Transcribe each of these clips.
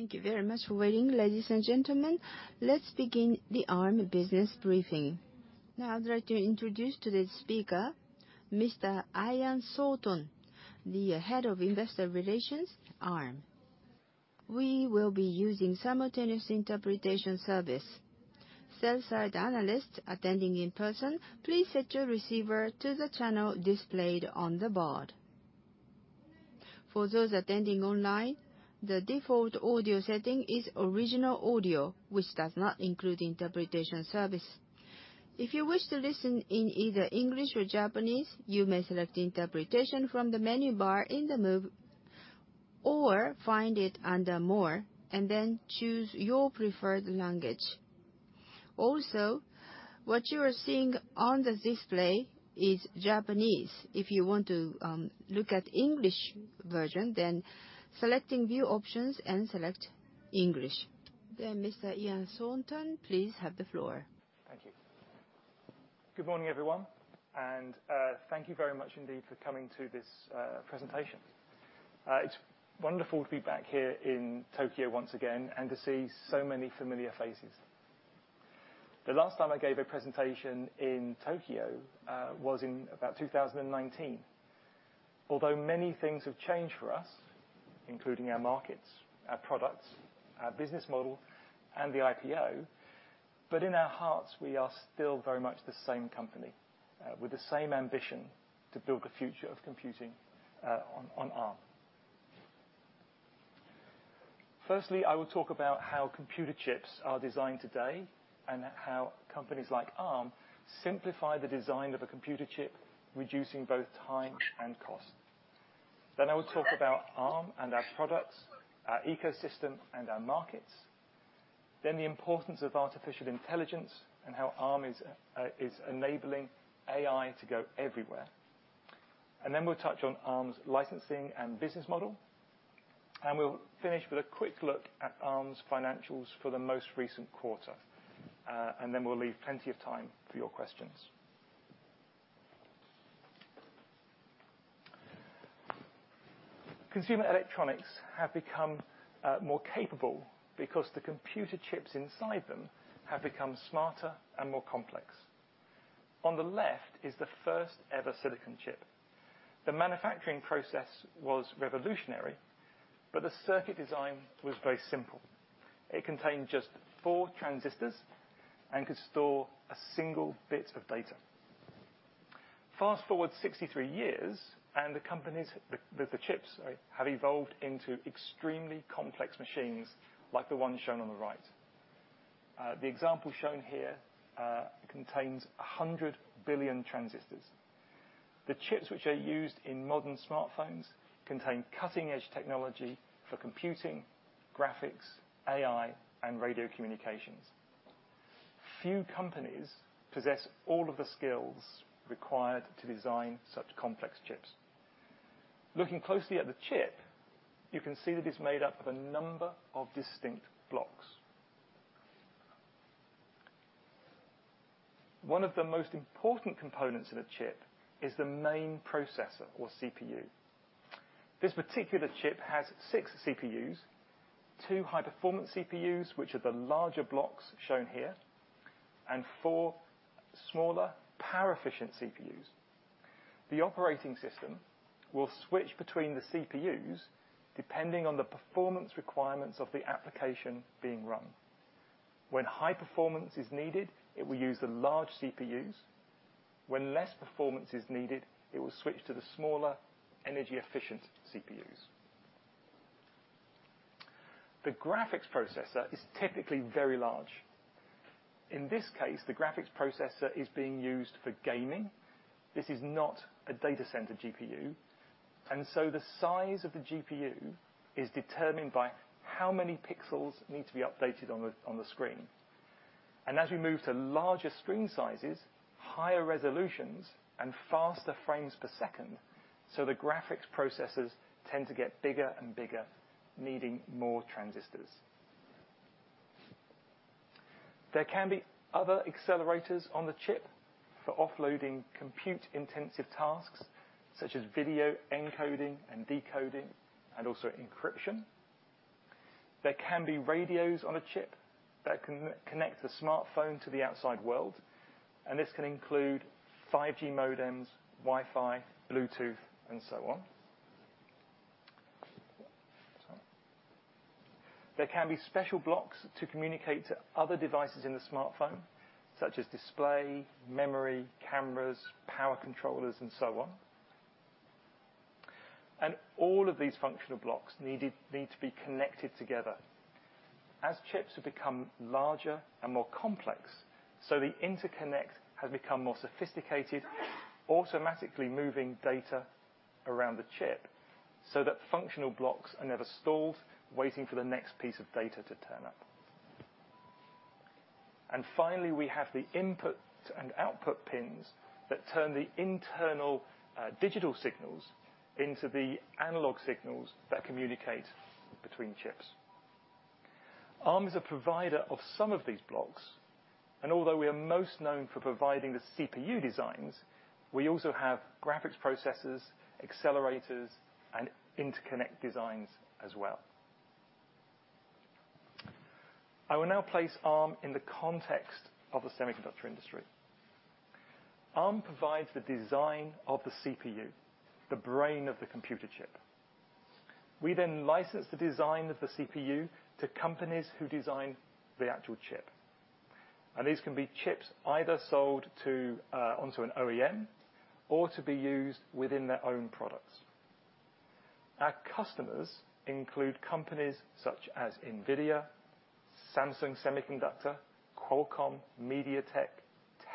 Thank you very much for waiting, ladies and gentlemen. Let's begin the Arm business briefing. Now I'd like to introduce today's speaker, Mr. Ian Thornton, the head of investor relations at Arm. We will be using simultaneous interpretation service. Seated analysts attending in person, please set your receiver to the channel displayed on the board. For those attending online, the default audio setting is original audio, which does not include interpretation service. If you wish to listen in either English or Japanese, you may select interpretation from the menu bar in the viewer or find it under more and then choose your preferred language. Also, what you are seeing on the display is Japanese. If you want to look at the English version, then select view options and select English. Then, Mr. Ian Thornton, please have the floor. Thank you. Good morning, everyone. Thank you very much indeed for coming to this presentation. It's wonderful to be back here in Tokyo once again and to see so many familiar faces. The last time I gave a presentation in Tokyo was in about 2019. Although many things have changed for us, including our markets, our products, our business model, and the IPO, but in our hearts, we are still very much the same company with the same ambition to build the future of computing on Arm. Firstly, I will talk about how computer chips are designed today and how companies like Arm simplify the design of a computer chip, reducing both time and cost. Then I will talk about Arm and our products, our ecosystem, and our markets. Then the importance of artificial intelligence and how Arm is enabling AI to go everywhere. Then we'll touch on Arm's licensing and business model. We'll finish with a quick look at Arm's financials for the most recent quarter. Then we'll leave plenty of time for your questions. Consumer electronics have become more capable because the computer chips inside them have become smarter and more complex. On the left is the first-ever silicon chip. The manufacturing process was revolutionary, but the circuit design was very simple. It contained just four transistors and could store a single bit of data. Fast forward 63 years, and the chips have evolved into extremely complex machines like the one shown on the right. The example shown here contains 100 billion transistors. The chips which are used in modern smartphones contain cutting-edge technology for computing, graphics, AI, and radio communications. Few companies possess all of the skills required to design such complex chips. Looking closely at the chip, you can see that it's made up of a number of distinct blocks. One of the most important components in a chip is the main processor or CPU. This particular chip has 6 CPUs, 2 high-performance CPUs which are the larger blocks shown here, and 4 smaller power-efficient CPUs. The operating system will switch between the CPUs depending on the performance requirements of the application being run. When high performance is needed, it will use the large CPUs. When less performance is needed, it will switch to the smaller energy-efficient CPUs. The graphics processor is typically very large. In this case, the graphics processor is being used for gaming. This is not a data center GPU. And so the size of the GPU is determined by how many pixels need to be updated on the screen. And as we move to larger screen sizes, higher resolutions, and faster frames per second, so the graphics processors tend to get bigger and bigger, needing more transistors. There can be other accelerators on the chip for offloading compute-intensive tasks such as video encoding and decoding, and also encryption. There can be radios on a chip that can connect the smartphone to the outside world. And this can include 5G modems, Wi-Fi, Bluetooth, and so on. There can be special blocks to communicate to other devices in the smartphone, such as display, memory, cameras, power controllers, and so on. And all of these functional blocks need to be connected together. As chips have become larger and more complex, so the interconnect has become more sophisticated, automatically moving data around the chip so that functional blocks are never stalled, waiting for the next piece of data to turn up. And finally, we have the input and output pins that turn the internal digital signals into the analog signals that communicate between chips. Arm is a provider of some of these blocks. And although we are most known for providing the CPU designs, we also have graphics processors, accelerators, and interconnect designs as well. I will now place Arm in the context of the semiconductor industry. Arm provides the design of the CPU, the brain of the computer chip. We then license the design of the CPU to companies who design the actual chip. These can be chips either sold onto an OEM or to be used within their own products. Our customers include companies such as NVIDIA, Samsung Semiconductor, Qualcomm, MediaTek,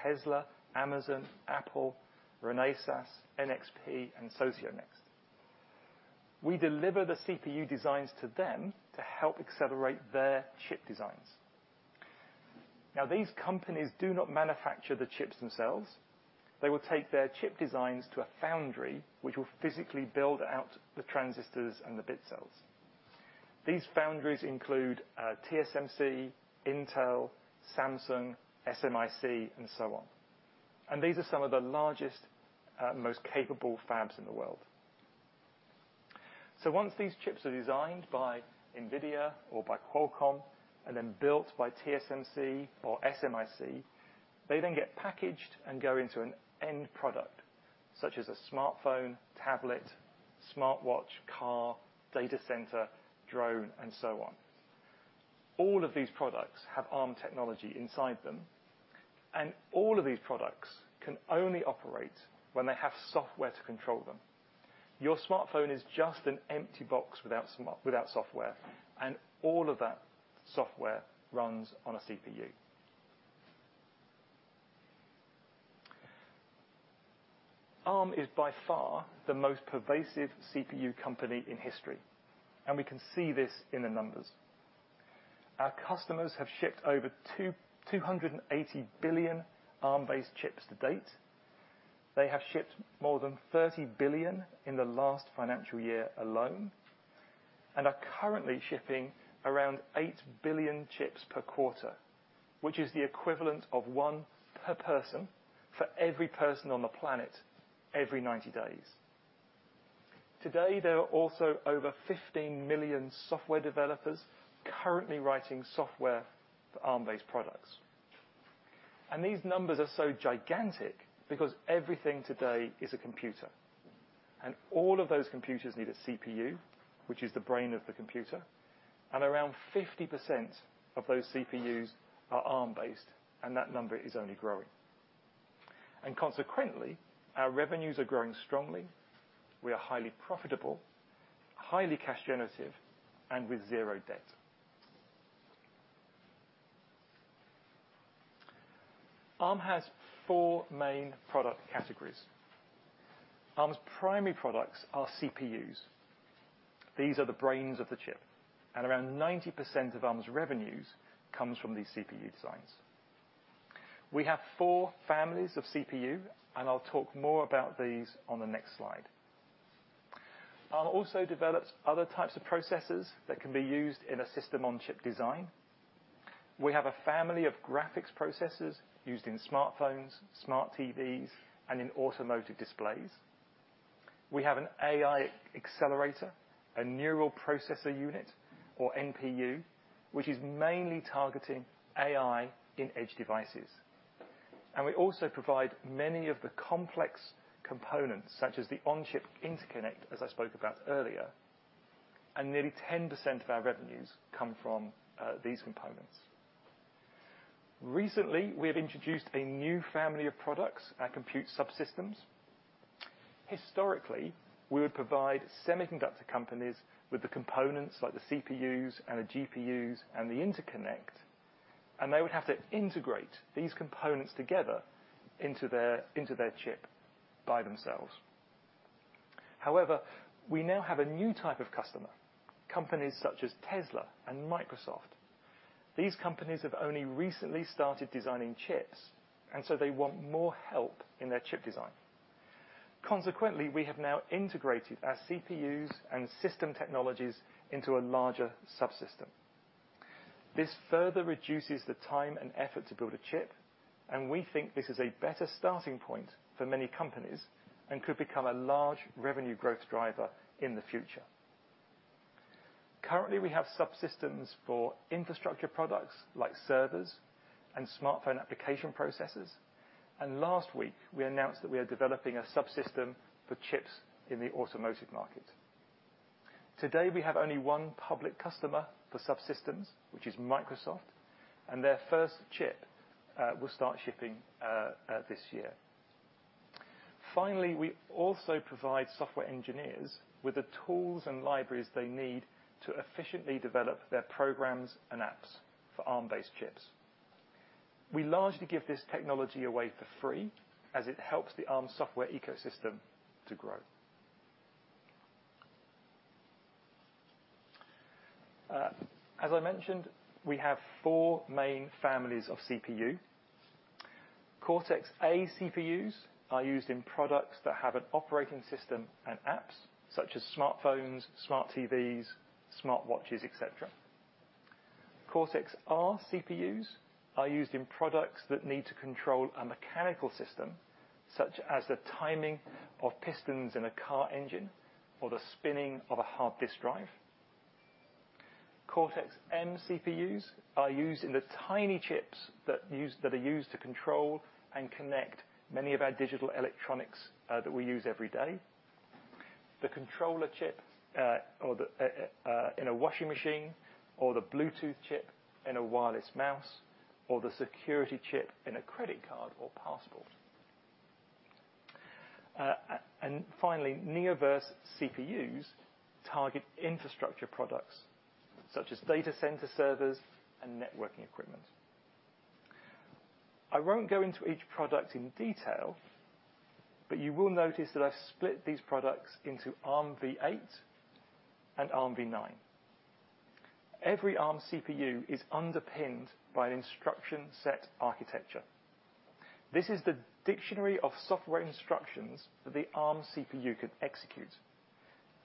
Tesla, Amazon, Apple, Renesas, NXP, and Socionext. We deliver the CPU designs to them to help accelerate their chip designs. Now, these companies do not manufacture the chips themselves. They will take their chip designs to a foundry which will physically build out the transistors and the bit cells. These foundries include TSMC, Intel, Samsung, SMIC, and so on. These are some of the largest, most capable fabs in the world. Once these chips are designed by NVIDIA or by Qualcomm and then built by TSMC or SMIC, they then get packaged and go into an end product such as a smartphone, tablet, smartwatch, car, data center, drone, and so on. All of these products have Arm technology inside them. All of these products can only operate when they have software to control them. Your smartphone is just an empty box without software. All of that software runs on a CPU. Arm is by far the most pervasive CPU company in history. We can see this in the numbers. Our customers have shipped over 280 billion Arm-based chips to date. They have shipped more than 30 billion in the last financial year alone. They are currently shipping around 8 billion chips per quarter, which is the equivalent of 1 per person for every person on the planet every 90 days. Today, there are also over 15 million software developers currently writing software for Arm-based products. These numbers are so gigantic because everything today is a computer. All of those computers need a CPU, which is the brain of the computer. Around 50% of those CPUs are Arm-based. That number is only growing. Consequently, our revenues are growing strongly. We are highly profitable, highly cash-generative, and with 0 debt. Arm has 4 main product categories. Arm's primary products are CPUs. These are the brains of the chip. Around 90% of Arm's revenues comes from these CPU designs. We have 4 families of CPU. I'll talk more about these on the next slide. Arm also develops other types of processors that can be used in a system-on-chip design. We have a family of graphics processors used in smartphones, smart TVs, and in automotive displays. We have an AI accelerator, a neural processor unit, or NPU, which is mainly targeting AI in edge devices. We also provide many of the complex components such as the on-chip interconnect, as I spoke about earlier. Nearly 10% of our revenues come from these components. Recently, we have introduced a new family of products, our compute subsystems. Historically, we would provide semiconductor companies with the components like the CPUs and the GPUs and the interconnect. They would have to integrate these components together into their chip by themselves. However, we now have a new type of customer, companies such as Tesla and Microsoft. These companies have only recently started designing chips. So they want more help in their chip design. Consequently, we have now integrated our CPUs and system technologies into a larger subsystem. This further reduces the time and effort to build a chip. We think this is a better starting point for many companies and could become a large revenue growth driver in the future. Currently, we have subsystems for infrastructure products like servers and smartphone application processors. Last week, we announced that we are developing a subsystem for chips in the automotive market. Today, we have only one public customer for subsystems, which is Microsoft. Their first chip will start shipping this year. Finally, we also provide software engineers with the tools and libraries they need to efficiently develop their programs and apps for Arm-based chips. We largely give this technology away for free as it helps the Arm software ecosystem to grow. As I mentioned, we have four main families of CPU. Cortex-A CPUs are used in products that have an operating system and apps such as smartphones, smart TVs, smartwatches, etc. Cortex-R CPUs are used in products that need to control a mechanical system such as the timing of pistons in a car engine or the spinning of a hard disk drive. Cortex-M CPUs are used in the tiny chips that are used to control and connect many of our digital electronics that we use every day. The controller chip in a washing machine or the Bluetooth chip in a wireless mouse or the security chip in a credit card or passport. And finally, Neoverse CPUs target infrastructure products such as data center servers and networking equipment. I won't go into each product in detail. But you will notice that I've split these products into Armv8 and Armv9. Every Arm CPU is underpinned by an instruction set architecture. This is the dictionary of software instructions that the Arm CPU can execute.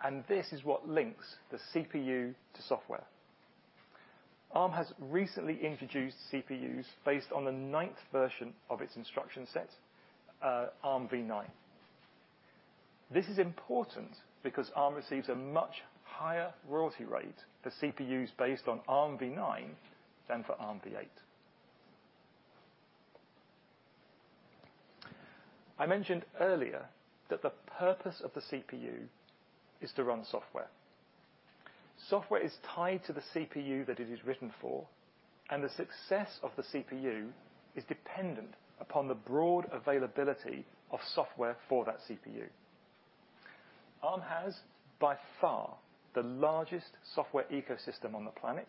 And this is what links the CPU to software. Arm has recently introduced CPUs based on the 9th version of its instruction set, Armv9. This is important because Arm receives a much higher royalty rate for CPUs based on Armv9 than for Armv8. I mentioned earlier that the purpose of the CPU is to run software. Software is tied to the CPU that it is written for. The success of the CPU is dependent upon the broad availability of software for that CPU. Arm has by far the largest software ecosystem on the planet.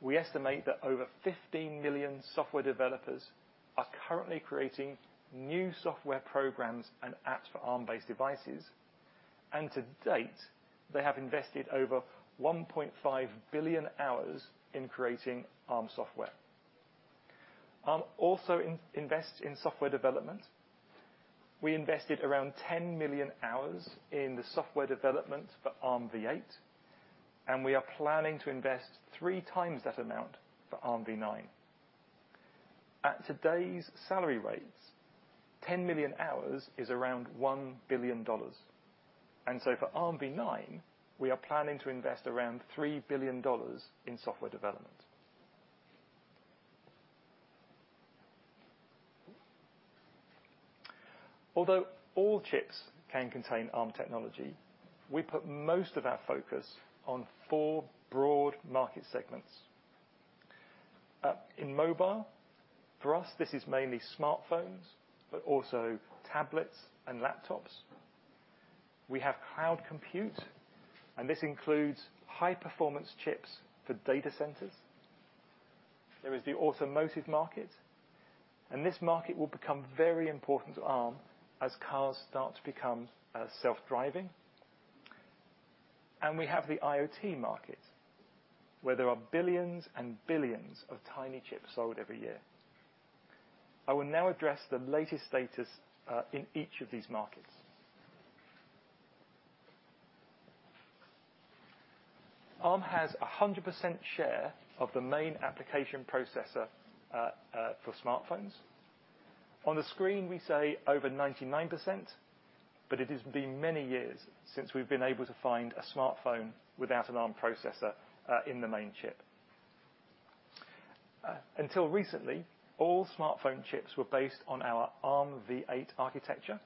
We estimate that over 15 million software developers are currently creating new software programs and apps for Arm-based devices. To date, they have invested over 1.5 billion hours in creating Arm software. Arm also invests in software development. We invested around 10 million hours in the software development for Armv8. We are planning to invest 3 times that amount for Armv9. At today's salary rates, 10 million hours is around $1 billion. So for Armv9, we are planning to invest around $3 billion in software development. Although all chips can contain Arm technology, we put most of our focus on four broad market segments. In mobile, for us, this is mainly smartphones, but also tablets and laptops. We have cloud compute. This includes high-performance chips for data centers. There is the automotive market. This market will become very important to Arm as cars start to become self-driving. We have the IoT market where there are billions and billions of tiny chips sold every year. I will now address the latest status in each of these markets. Arm has 100% share of the main application processor for smartphones. On the screen, we say over 99%. But it has been many years since we've been able to find a smartphone without an Arm processor in the main chip. Until recently, all smartphone chips were based on our Armv8 architecture.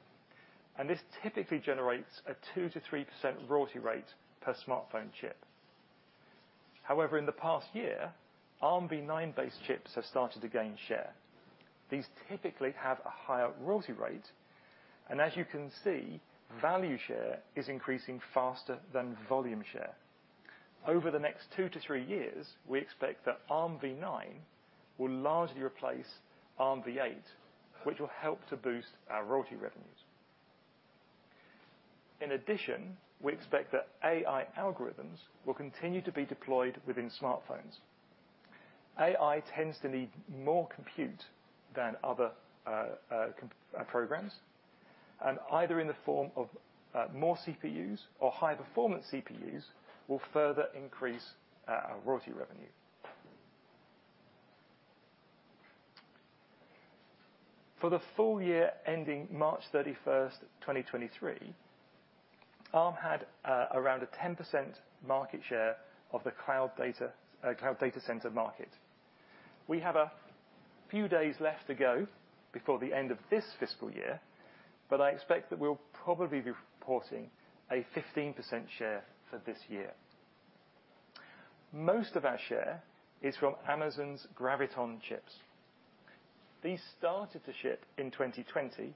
This typically generates a 2% to 3% royalty rate per smartphone chip. However, in the past year, Armv9-based chips have started to gain share. These typically have a higher royalty rate. And as you can see, value share is increasing faster than volume share. Over the next 2-3 years, we expect that Armv9 will largely replace Armv8, which will help to boost our royalty revenues. In addition, we expect that AI algorithms will continue to be deployed within smartphones. AI tends to need more compute than other programs. And either in the form of more CPUs or high-performance CPUs will further increase our royalty revenue. For the full year ending March 31st, 2023, Arm had around a 10% market share of the cloud data center market. We have a few days left to go before the end of this fiscal year. But I expect that we'll probably be reporting a 15% share for this year. Most of our share is from Amazon's Graviton chips. These started to ship in 2020.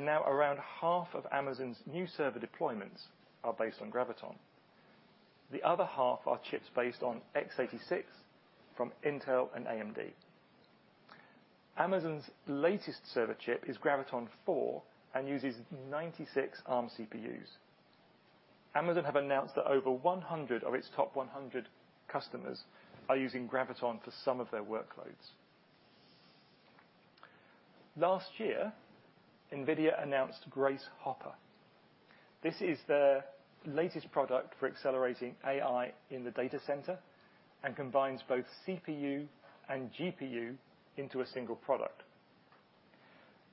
Now, around half of Amazon's new server deployments are based on Graviton. The other half are chips based on x86 from Intel and AMD. Amazon's latest server chip is Graviton4 and uses 96 Arm CPUs. Amazon have announced that over 100 of its top 100 customers are using Graviton for some of their workloads. Last year, Nvidia announced Grace Hopper. This is their latest product for accelerating AI in the data center and combines both CPU and GPU into a single product.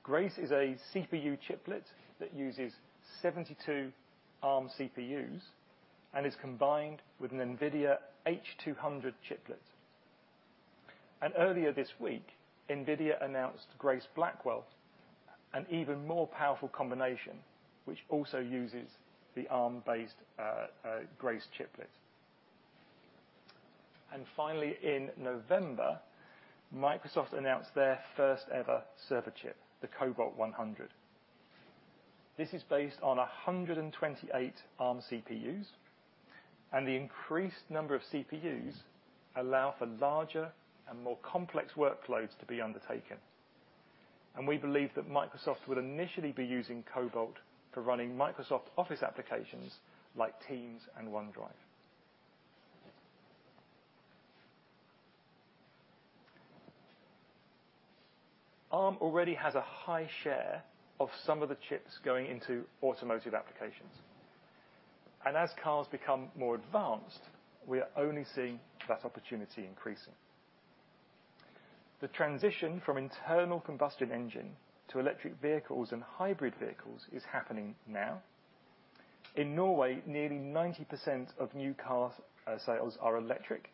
Grace is a CPU chiplet that uses 72 Arm CPUs and is combined with an Nvidia H200 chiplet. Earlier this week, Nvidia announced Grace Blackwell, an even more powerful combination, which also uses the Arm-based Grace chiplet. And finally, in November, Microsoft announced their first ever server chip, the Cobalt 100. This is based on 128 Arm CPUs. The increased number of CPUs allow for larger and more complex workloads to be undertaken. We believe that Microsoft will initially be using Cobalt for running Microsoft Office applications like Teams and OneDrive. Arm already has a high share of some of the chips going into automotive applications. As cars become more advanced, we are only seeing that opportunity increasing. The transition from internal combustion engine to electric vehicles and hybrid vehicles is happening now. In Norway, nearly 90% of new car sales are electric,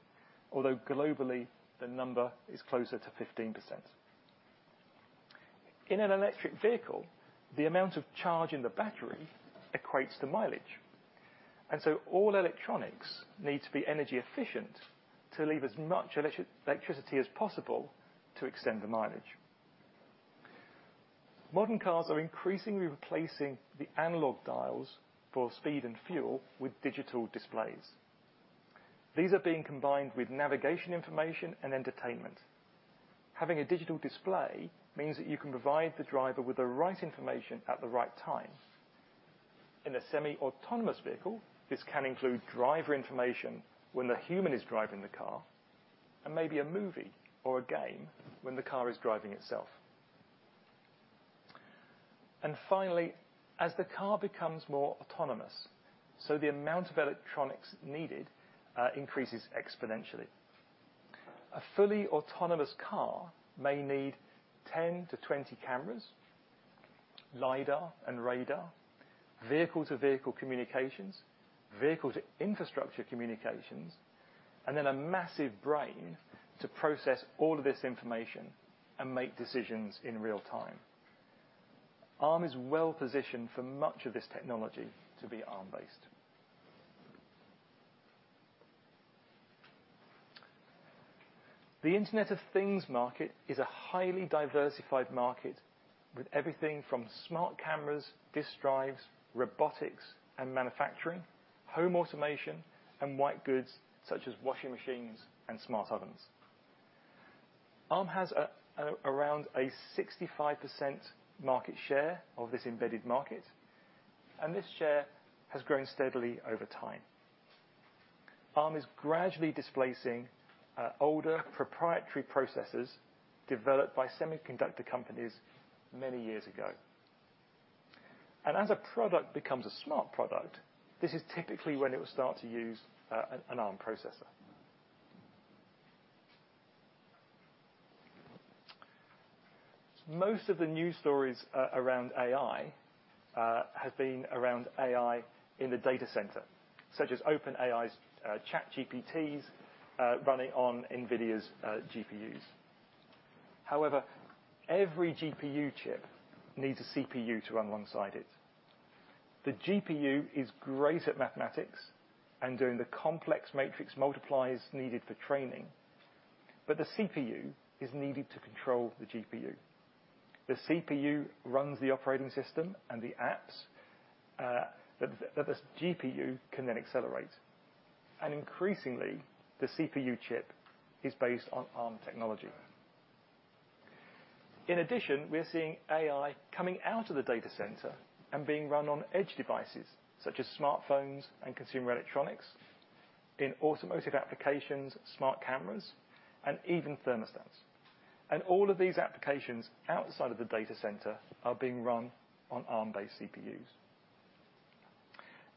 although globally, the number is closer to 15%. In an electric vehicle, the amount of charge in the battery equates to mileage. All electronics need to be energy efficient to leave as much electricity as possible to extend the mileage. Modern cars are increasingly replacing the analog dials for speed and fuel with digital displays. These are being combined with navigation information and entertainment. Having a digital display means that you can provide the driver with the right information at the right time. In a semi-autonomous vehicle, this can include driver information when the human is driving the car and maybe a movie or a game when the car is driving itself. And finally, as the car becomes more autonomous, so the amount of electronics needed increases exponentially. A fully autonomous car may need 10-20 cameras, Lidar and radar, vehicle-to-vehicle communications, vehicle-to-infrastructure communications, and then a massive brain to process all of this information and make decisions in real time. Arm is well positioned for much of this technology to be Arm-based. The Internet of Things market is a highly diversified market with everything from smart cameras, disk drives, robotics and manufacturing, home automation, and white goods such as washing machines and smart ovens. Arm has around a 65% market share of this embedded market. This share has grown steadily over time. Arm is gradually displacing older proprietary processors developed by semiconductor companies many years ago. As a product becomes a smart product, this is typically when it will start to use an Arm processor. Most of the news stories around AI have been around AI in the data center, such as OpenAI's ChatGPTs running on NVIDIA's GPUs. However, every GPU chip needs a CPU to run alongside it. The GPU is great at mathematics and doing the complex matrix multiplies needed for training. The CPU is needed to control the GPU. The CPU runs the operating system and the apps that the GPU can then accelerate. And increasingly, the CPU chip is based on Arm technology. In addition, we're seeing AI coming out of the data center and being run on edge devices such as smartphones and consumer electronics, in automotive applications, smart cameras, and even thermostats. And all of these applications outside of the data center are being run on Arm-based CPUs.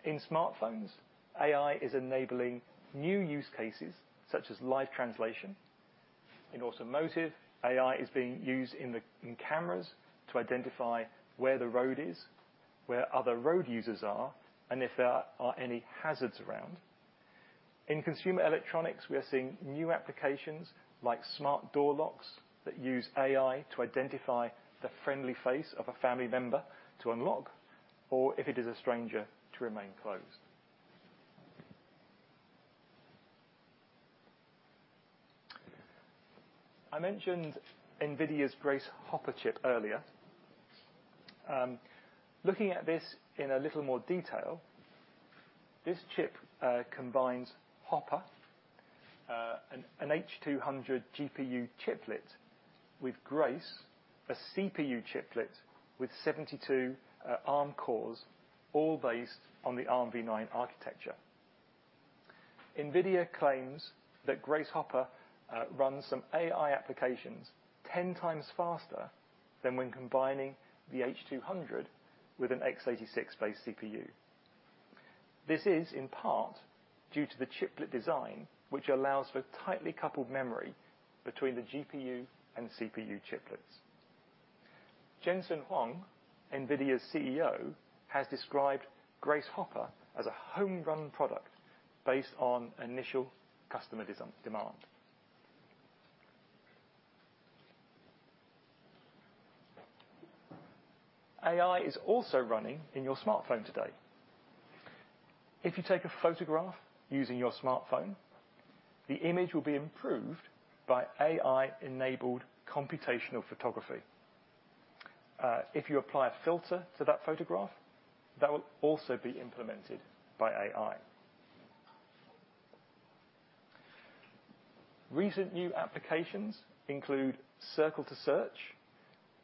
In smartphones, AI is enabling new use cases such as live translation. In automotive, AI is being used in cameras to identify where the road is, where other road users are, and if there are any hazards around. In consumer electronics, we are seeing new applications like smart door locks that use AI to identify the friendly face of a family member to unlock, or if it is a stranger, to remain closed. I mentioned NVIDIA's Grace Hopper chip earlier. Looking at this in a little more detail, this chip combines Hopper, an H200 GPU chiplet, with Grace, a CPU chiplet with 72 Arm cores, all based on the Armv9 architecture. NVIDIA claims that Grace Hopper runs some AI applications 10 times faster than when combining the H200 with an x86-based CPU. This is in part due to the chiplet design, which allows for tightly coupled memory between the GPU and CPU chiplets. Jensen Huang, NVIDIA's CEO, has described Grace Hopper as a home-run product based on initial customer demand. AI is also running in your smartphone today. If you take a photograph using your smartphone, the image will be improved by AI-enabled computational photography. If you apply a filter to that photograph, that will also be implemented by AI. Recent new applications include Circle to Search,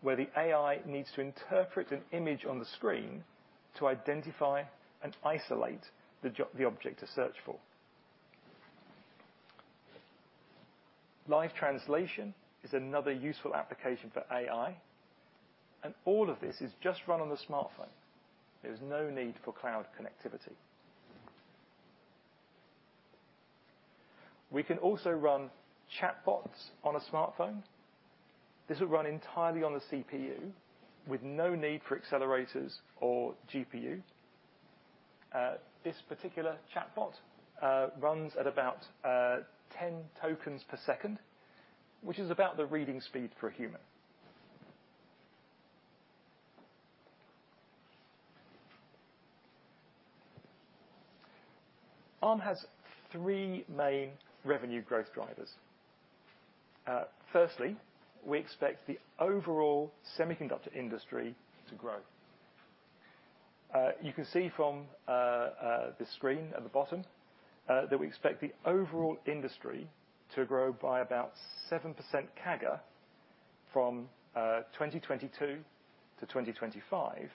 where the AI needs to interpret an image on the screen to identify and isolate the object to search for. Live translation is another useful application for AI. And all of this is just run on the smartphone. There is no need for cloud connectivity. We can also run chatbots on a smartphone. This will run entirely on the CPU with no need for accelerators or GPU. This particular chatbot runs at about 10 tokens per second, which is about the reading speed for a human. Arm has three main revenue growth drivers. Firstly, we expect the overall semiconductor industry to grow. You can see from this screen at the bottom that we expect the overall industry to grow by about 7% CAGR from 2022 to 2025,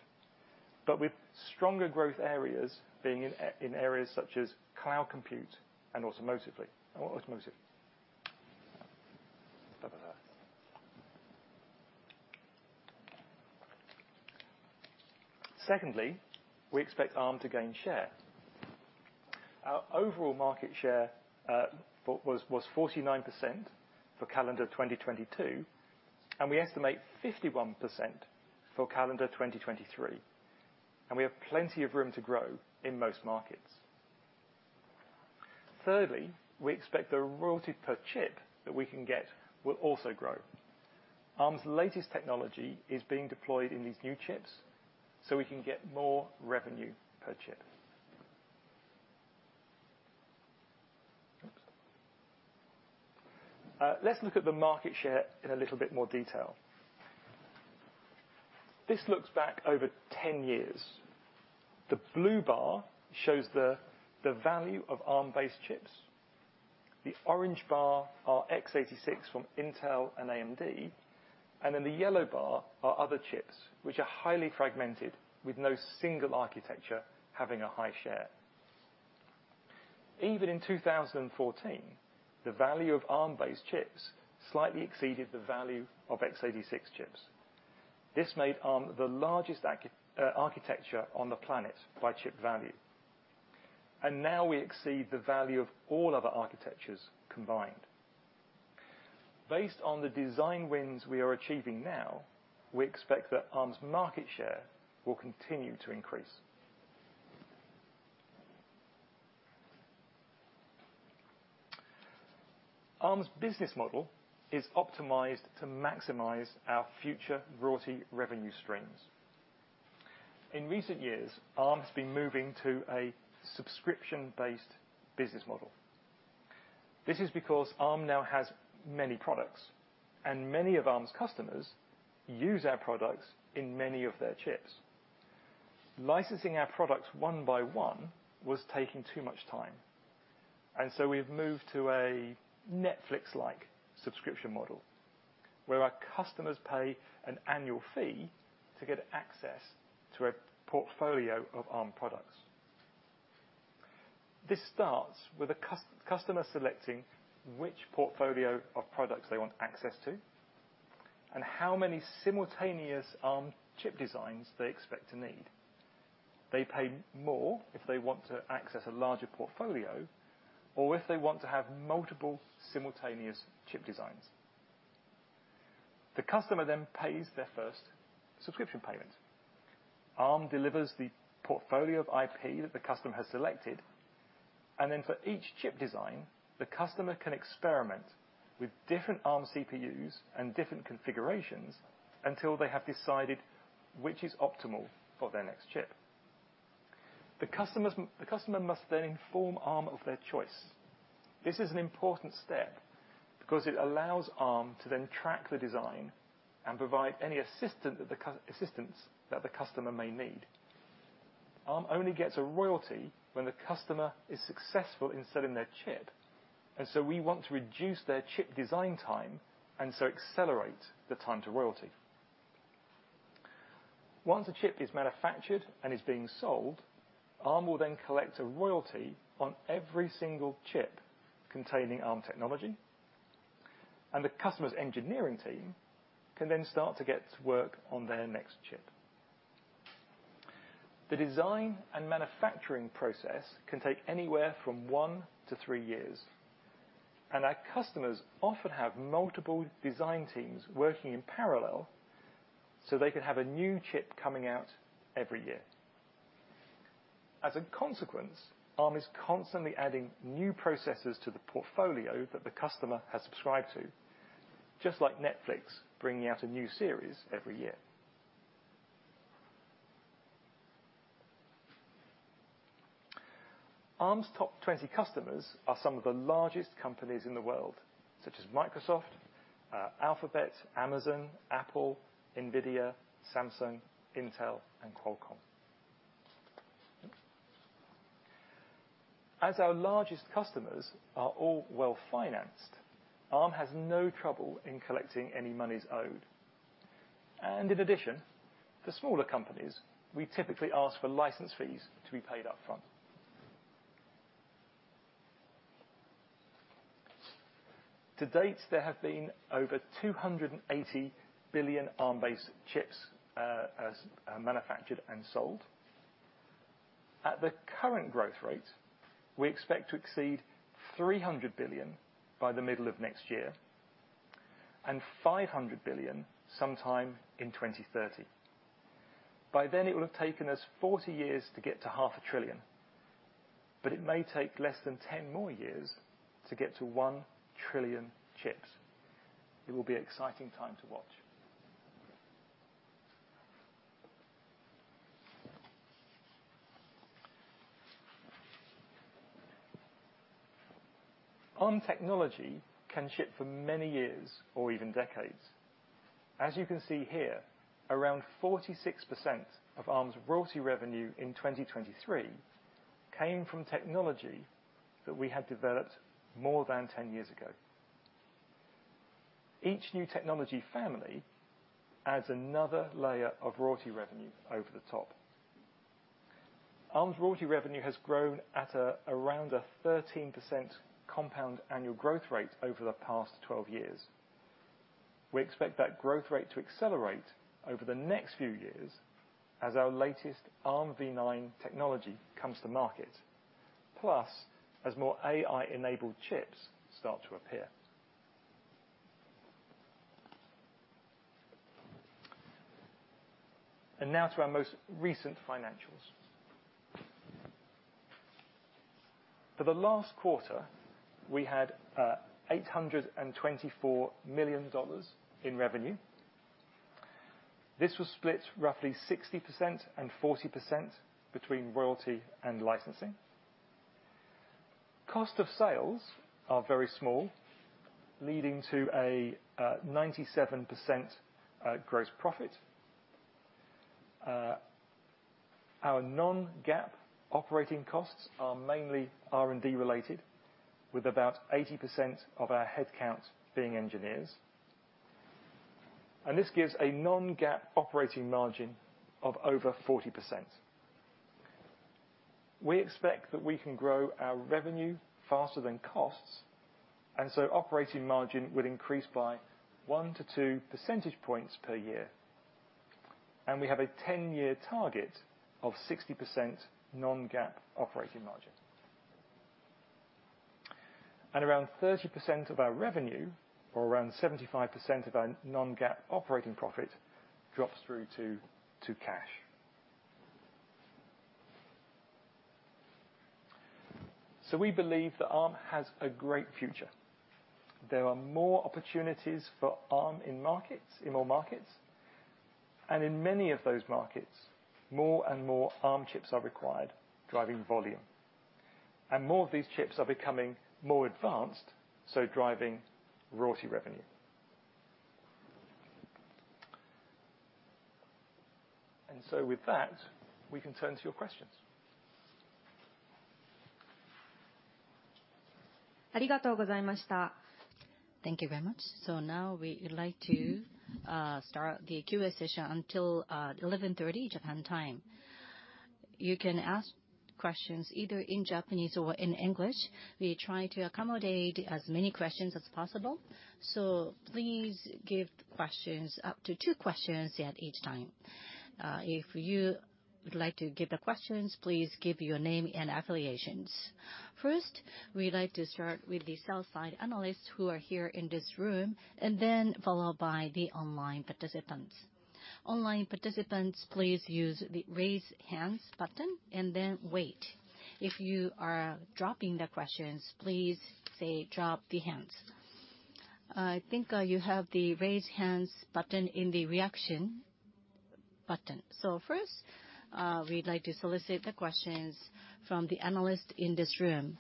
but with stronger growth areas being in areas such as cloud compute and automotive. Secondly, we expect Arm to gain share. Our overall market share was 49% for calendar 2022, and we estimate 51% for calendar 2023. We have plenty of room to grow in most markets. Thirdly, we expect the royalty per chip that we can get will also grow. Arm's latest technology is being deployed in these new chips, so we can get more revenue per chip. Let's look at the market share in a little bit more detail. This looks back over 10 years. The blue bar shows the value of Arm-based chips. The orange bar are x86 from Intel and AMD. And then the yellow bar are other chips, which are highly fragmented with no single architecture having a high share. Even in 2014, the value of Arm-based chips slightly exceeded the value of x86 chips. This made Arm the largest architecture on the planet by chip value. Now we exceed the value of all other architectures combined. Based on the design wins we are achieving now, we expect that Arm's market share will continue to increase. Arm's business model is optimized to maximize our future royalty revenue streams. In recent years, Arm has been moving to a subscription-based business model. This is because Arm now has many products, and many of Arm's customers use our products in many of their chips. Licensing our products one by one was taking too much time. We've moved to a Netflix-like subscription model, where our customers pay an annual fee to get access to a portfolio of Arm products. This starts with a customer selecting which portfolio of products they want access to and how many simultaneous Arm chip designs they expect to need. They pay more if they want to access a larger portfolio or if they want to have multiple simultaneous chip designs. The customer then pays their first subscription payment. Arm delivers the portfolio of IP that the customer has selected. For each chip design, the customer can experiment with different Arm CPUs and different configurations until they have decided which is optimal for their next chip. The customer must then inform Arm of their choice. This is an important step because it allows Arm to then track the design and provide any assistance that the customer may need. Arm only gets a royalty when the customer is successful in selling their chip. So we want to reduce their chip design time and so accelerate the time to royalty. Once a chip is manufactured and is being sold, Arm will then collect a royalty on every single chip containing Arm technology. The customer's engineering team can then start to get to work on their next chip. The design and manufacturing process can take anywhere from 1 to 3 years. Our customers often have multiple design teams working in parallel so they can have a new chip coming out every year. As a consequence, Arm is constantly adding new processors to the portfolio that the customer has subscribed to, just like Netflix bringing out a new series every year. Arm's top 20 customers are some of the largest companies in the world, such as Microsoft, Alphabet, Amazon, Apple, NVIDIA, Samsung, Intel, and Qualcomm. As our largest customers are all well-financed, Arm has no trouble in collecting any money's owed. In addition, for smaller companies, we typically ask for license fees to be paid upfront. To date, there have been over 280 billion Arm-based chips manufactured and sold. At the current growth rate, we expect to exceed 300 billion by the middle of next year and 500 billion sometime in 2030. By then, it will have taken us 40 years to get to half a trillion. But it may take less than 10 more years to get to 1 trillion chips. It will be an exciting time to watch. Arm technology can ship for many years or even decades. As you can see here, around 46% of Arm's royalty revenue in 2023 came from technology that we had developed more than 10 years ago. Each new technology family adds another layer of royalty revenue over the top. Arm's royalty revenue has grown at around a 13% compound annual growth rate over the past 12 years. We expect that growth rate to accelerate over the next few years as our latest Armv9 technology comes to market, plus as more AI-enabled chips start to appear. Now to our most recent financials. For the last quarter, we had $824 million in revenue. This was split roughly 60% and 40% between royalty and licensing. Cost of sales are very small, leading to a 97% gross profit. Our non-GAAP operating costs are mainly R&D related, with about 80% of our headcount being engineers. This gives a non-GAAP operating margin of over 40%. We expect that we can grow our revenue faster than costs, and so operating margin will increase by 1-2 percentage points per year. We have a 10-year target of 60% non-GAAP operating margin. And around 30% of our revenue, or around 75% of our non-GAAP operating profit, drops through to cash. So we believe that Arm has a great future. There are more opportunities for Arm in more markets. And in many of those markets, more and more Arm chips are required driving volume. And more of these chips are becoming more advanced, so driving royalty revenue. And so with that, we can turn to your questions. ありがとうございました。Thank you very much. So now we'd like to start the Q&A session until 11:30 A.M. Japan time. You can ask questions either in Japanese or in English. We try to accommodate as many questions as possible. So please give questions up to two questions at each time. If you would like to give the questions, please give your name and affiliations. First, we'd like to start with the sell-side analysts who are here in this room, and then followed by the online participants. Online participants, please use the raise-hands button and then wait. If you are dropping the questions, please say, "Drop the hands." I think you have the raise-hands button in the reaction button. So first, we'd like to solicit the questions from the analysts in this room.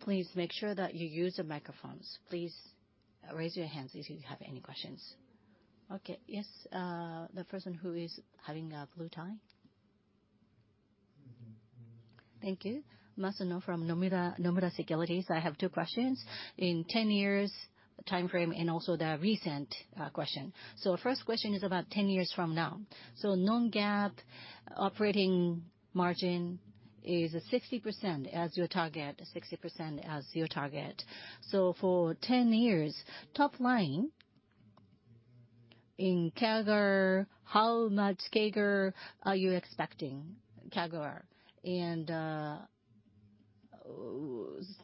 Please make sure that you use the microphones. Please raise your hands if you have any questions. Okay. Yes. The person who is having a blue tie? Mm-hmm. Thank you. Masuno from Nomura Securities. I have 2 questions. In 10 years timeframe and also the recent question. So first question is about 10 years from now. So non-GAAP operating margin is 60% as your target, 60% as your target. So for 10 years, top line in CAGR, how much CAGR are you expecting? CAGR. And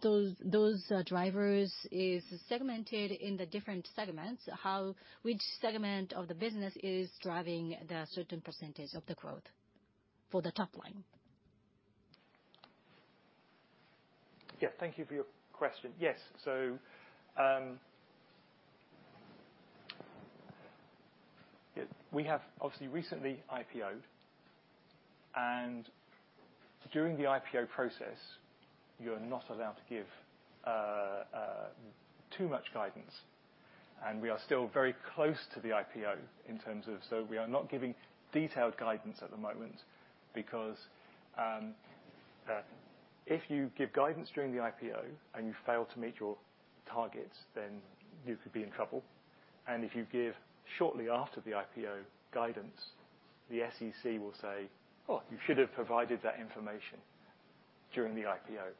those drivers are segmented in the different segments. Which segment of the business is driving the certain percentage of the growth for the top line? Yeah. Thank you for your question. Yes. So we have obviously recently IPOed. During the IPO process, you're not allowed to give too much guidance. We are still very close to the IPO in terms of, so we are not giving detailed guidance at the moment because if you give guidance during the IPO and you fail to meet your targets, then you could be in trouble. If you give shortly after the IPO guidance, the SEC will say, "Oh, you should have provided that information during the IPO."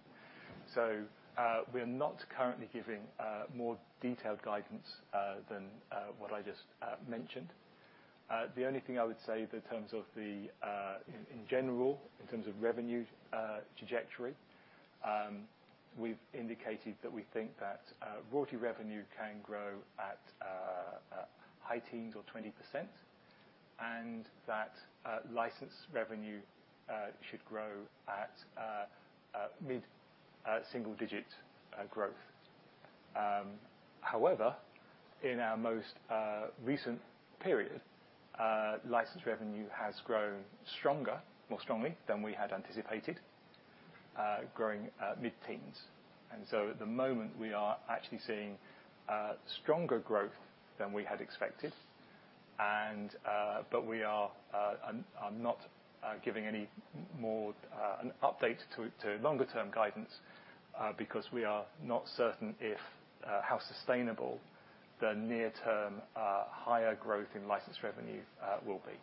So we are not currently giving more detailed guidance than what I just mentioned. The only thing I would say in terms of the in general, in terms of revenue trajectory, we've indicated that we think that royalty revenue can grow at high teens or 20% and that license revenue should grow at mid-single digit growth. However, in our most recent period, license revenue has grown more strongly than we had anticipated, growing mid-teens%. So at the moment, we are actually seeing stronger growth than we had expected. But we are not giving any more an update to longer-term guidance because we are not certain how sustainable the near-term higher growth in license revenue will be.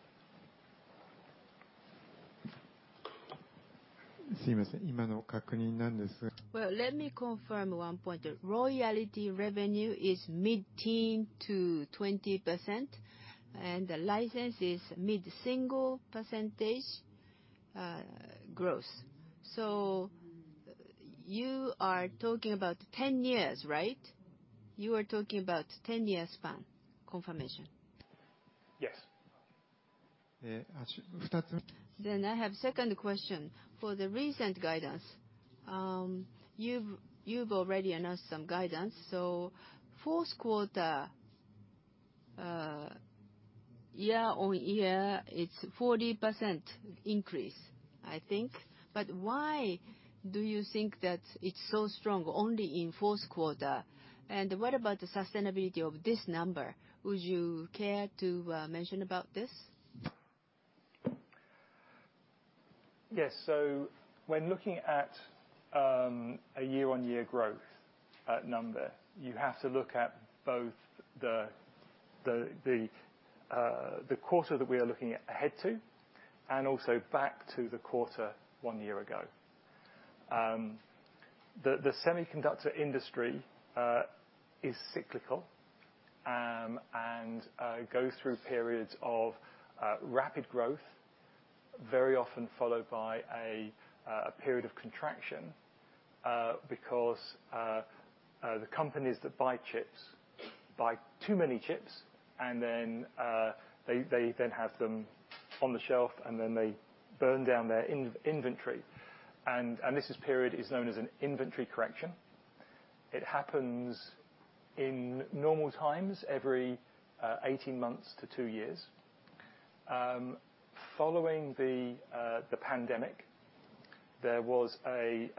すいません。今の確認なんですが。Well, let me confirm one point. Royalty revenue is mid-teen to 20%. The license is mid-single percentage growth. So you are talking about 10 years, right? You are talking about 10-year span confirmation? Yes. 2つ目。I have a second question. For the recent guidance, you've already announced some guidance. Fourth quarter, year-on-year, it's 40% increase, I think. Why do you think that it's so strong only in fourth quarter? What about the sustainability of this number? Would you care to mention about this? Yes. So when looking at a year-on-year growth number, you have to look at both the quarter that we are looking ahead to and also back to the quarter one year ago. The semiconductor industry is cyclical and goes through periods of rapid growth, very often followed by a period of contraction because the companies that buy chips buy too many chips, and then they then have them on the shelf, and then they burn down their inventory. And this period is known as an inventory correction. It happens in normal times every 18 months to two years. Following the pandemic, there was a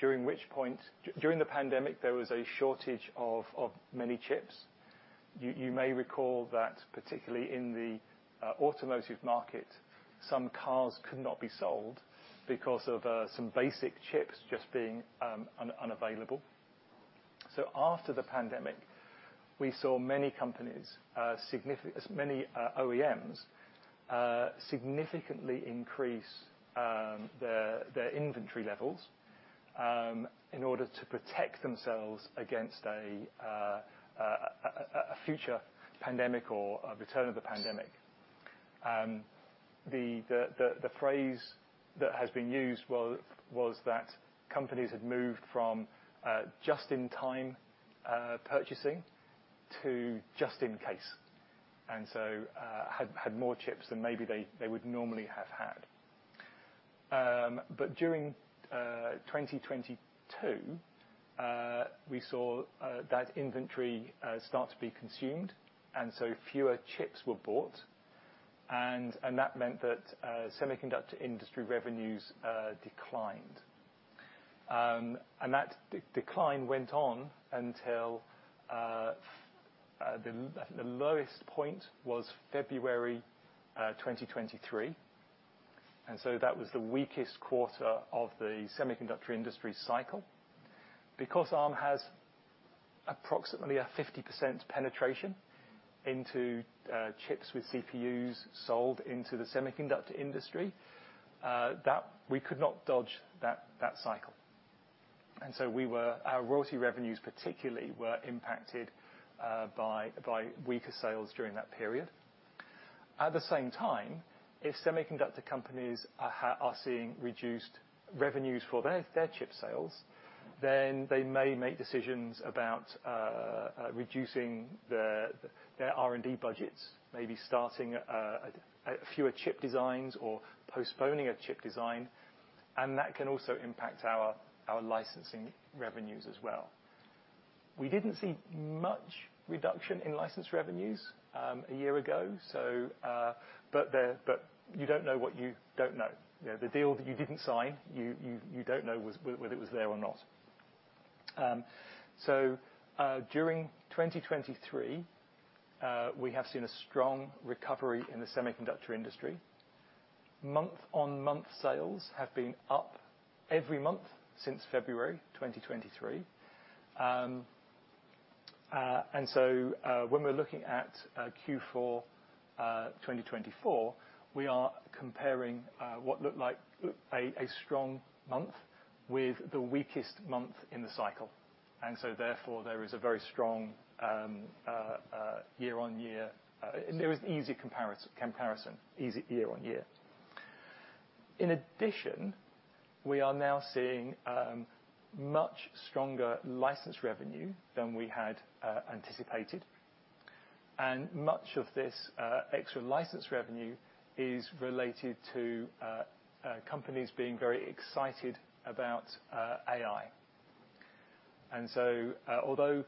during which point during the pandemic, there was a shortage of many chips. You may recall that, particularly in the automotive market, some cars could not be sold because of some basic chips just being unavailable. So after the pandemic, we saw many companies, many OEMs, significantly increase their inventory levels in order to protect themselves against a future pandemic or return of the pandemic. The phrase that has been used was that companies had moved from just-in-time purchasing to just-in-case and so had more chips than maybe they would normally have had. But during 2022, we saw that inventory start to be consumed, and so fewer chips were bought. And that meant that semiconductor industry revenues declined. And that decline went on until the lowest point was February 2023. And so that was the weakest quarter of the semiconductor industry cycle. Because Arm has approximately a 50% penetration into chips with CPUs sold into the semiconductor industry, we could not dodge that cycle. And so our royalty revenues, particularly, were impacted by weaker sales during that period. At the same time, if semiconductor companies are seeing reduced revenues for their chip sales, then they may make decisions about reducing their R&D budgets, maybe starting fewer chip designs or postponing a chip design. That can also impact our licensing revenues as well. We didn't see much reduction in license revenues a year ago, but you don't know what you don't know. The deal that you didn't sign, you don't know whether it was there or not. During 2023, we have seen a strong recovery in the semiconductor industry. Month-on-month sales have been up every month since February 2023. So when we're looking at Q4 2024, we are comparing what looked like a strong month with the weakest month in the cycle. So therefore, there is a very strong year-on-year. There is an easy comparison, easy year-on-year. In addition, we are now seeing much stronger license revenue than we had anticipated. Much of this extra license revenue is related to companies being very excited about AI. And so although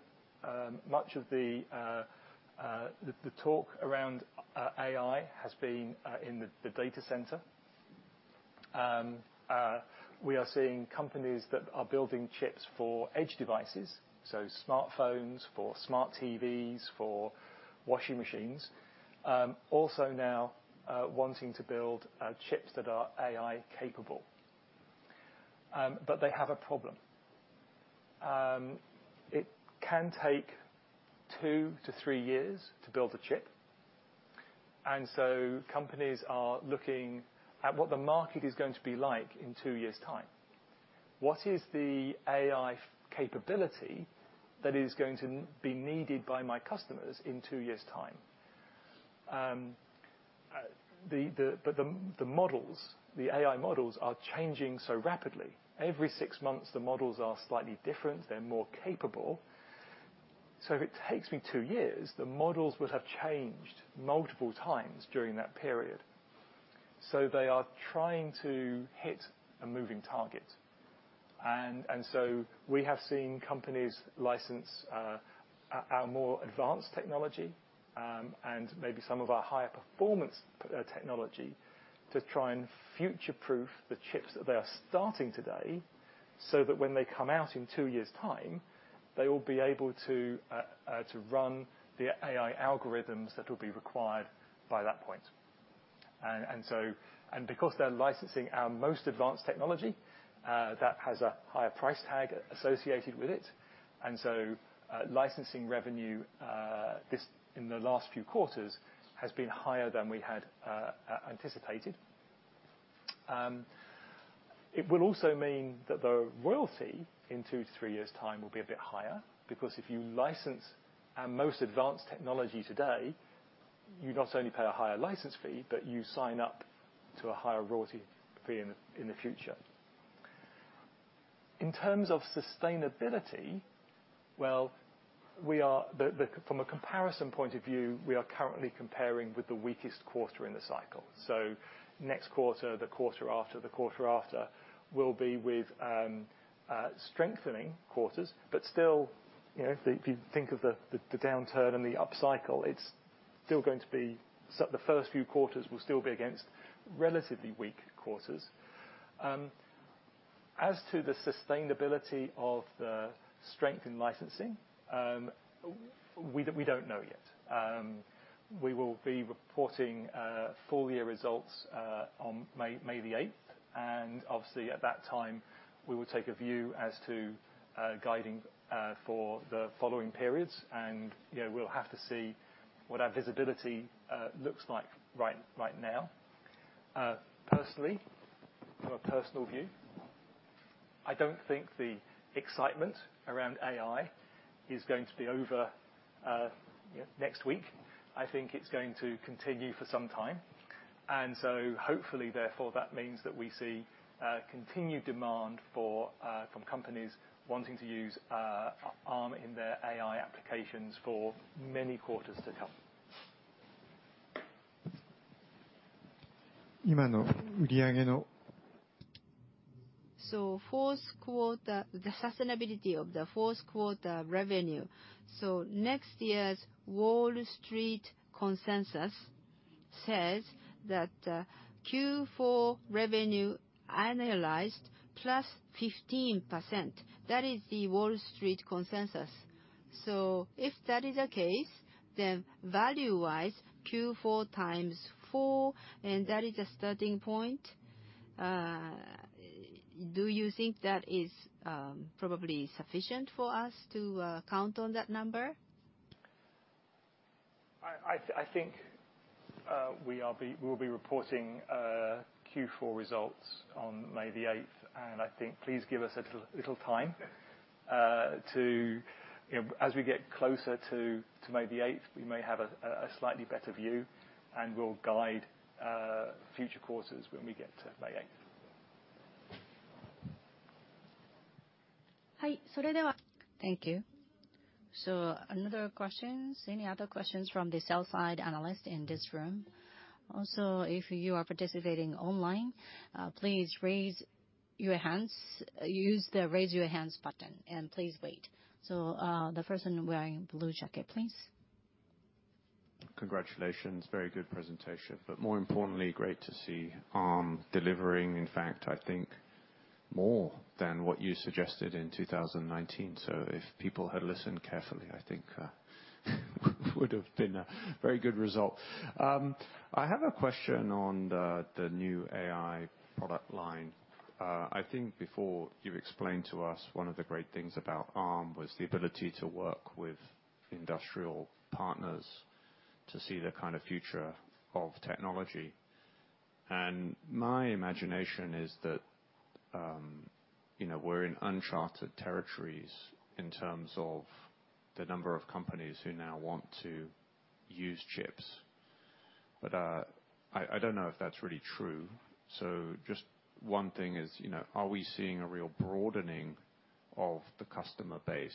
much of the talk around AI has been in the data center, we are seeing companies that are building chips for edge devices, so smartphones, for smart TVs, for washing machines, also now wanting to build chips that are AI-capable. But they have a problem. It can take 2 to 3 years to build a chip. And so companies are looking at what the market is going to be like in 2 years' time. What is the AI capability that is going to be needed by my customers in 2 years' time? But the AI models are changing so rapidly. Every 6 months, the models are slightly different. They're more capable. So if it takes me 2 years, the models will have changed multiple times during that period. So they are trying to hit a moving target. And so we have seen companies license our more advanced technology and maybe some of our higher-performance technology to try and future-proof the chips that they are starting today so that when they come out in 2 years' time, they will be able to run the AI algorithms that will be required by that point. And because they're licensing our most advanced technology, that has a higher price tag associated with it. And so licensing revenue in the last few quarters has been higher than we had anticipated. It will also mean that the royalty in two to three years' time will be a bit higher because if you license our most advanced technology today, you not only pay a higher license fee, but you sign up to a higher royalty fee in the future. In terms of sustainability, well, from a comparison point of view, we are currently comparing with the weakest quarter in the cycle. So next quarter, the quarter after, the quarter after will be with strengthening quarters. But still, if you think of the downturn and the upcycle, it's still going to be the first few quarters will still be against relatively weak quarters. As to the sustainability of the strengthened licensing, we don't know yet. We will be reporting full-year results on May the 8th. Obviously, at that time, we will take a view as to guiding for the following periods. We'll have to see what our visibility looks like right now. Personally, from a personal view, I don't think the excitement around AI is going to be over next week. I think it's going to continue for some time. So hopefully, therefore, that means that we see continued demand from companies wanting to use Arm in their AI applications for many quarters to come. 今の売上の。So the sustainability of the fourth quarter revenue. So next year's Wall Street consensus says that Q4 revenue annualized plus 15%. That is the Wall Street consensus. So if that is the case, then value-wise, Q4 times 4, and that is a starting point. Do you think that is probably sufficient for us to count on that number? I think we will be reporting Q4 results on May the 8th. I think please give us a little time, as we get closer to May the 8th, we may have a slightly better view. We'll guide future quarters when we get to May 8th. はい。それでは。Thank you. So any other questions from the sell-side analyst in this room? Also, if you are participating online, please raise your hands. Use the raise your hands button. And please wait. So the person wearing the blue jacket, please. Congratulations. Very good presentation. But more importantly, great to see Arm delivering, in fact, I think, more than what you suggested in 2019. So if people had listened carefully, I think it would have been a very good result. I have a question on the new AI product line. I think before you explained to us, one of the great things about Arm was the ability to work with industrial partners to see the kind of future of technology. And my imagination is that we're in uncharted territories in terms of the number of companies who now want to use chips. But I don't know if that's really true. So just one thing is, are we seeing a real broadening of the customer base?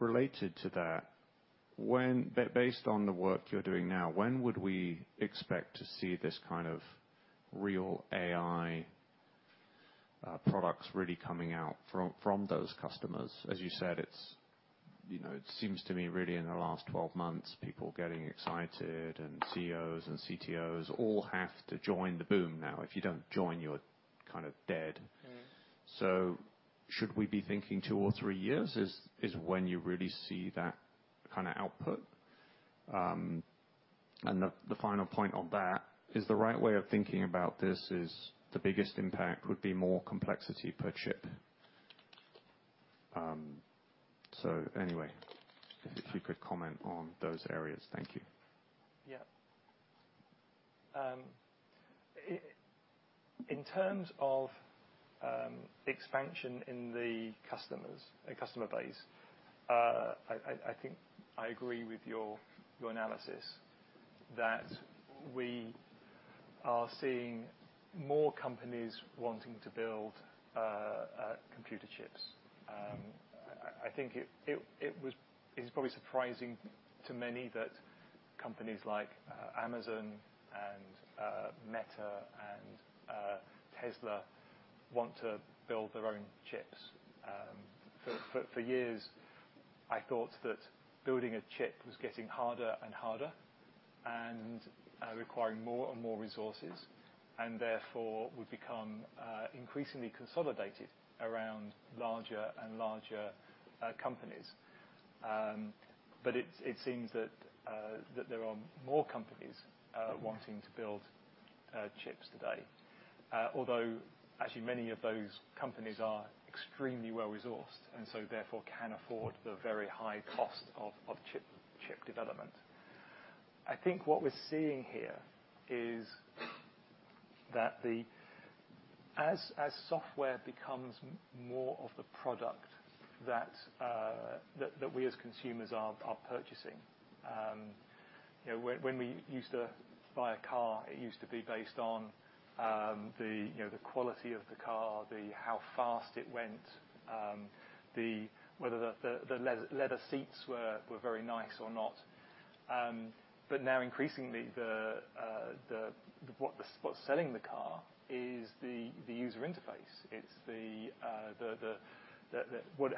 Related to that, based on the work you're doing now, when would we expect to see this kind of real AI products really coming out from those customers? As you said, it seems to me really in the last 12 months, people getting excited and CEOs and CTOs all have to join the boom now. If you don't join, you're kind of dead. Should we be thinking 2 or 3 years is when you really see that kind of output? The final point on that is, the right way of thinking about this is the biggest impact would be more complexity per chip. Anyway, if you could comment on those areas, thank you. Yeah. In terms of expansion in the customer base, I think I agree with your analysis that we are seeing more companies wanting to build computer chips. I think it is probably surprising to many that companies like Amazon and Meta and Tesla want to build their own chips. For years, I thought that building a chip was getting harder and harder and requiring more and more resources and therefore would become increasingly consolidated around larger and larger companies. But it seems that there are more companies wanting to build chips today, although, as you know, many of those companies are extremely well-resourced and so therefore can afford the very high cost of chip development. I think what we're seeing here is that as software becomes more of the product that we as consumers are purchasing when we used to buy a car, it used to be based on the quality of the car, how fast it went, whether the leather seats were very nice or not. But now, increasingly, what's selling the car is the user interface. It's the,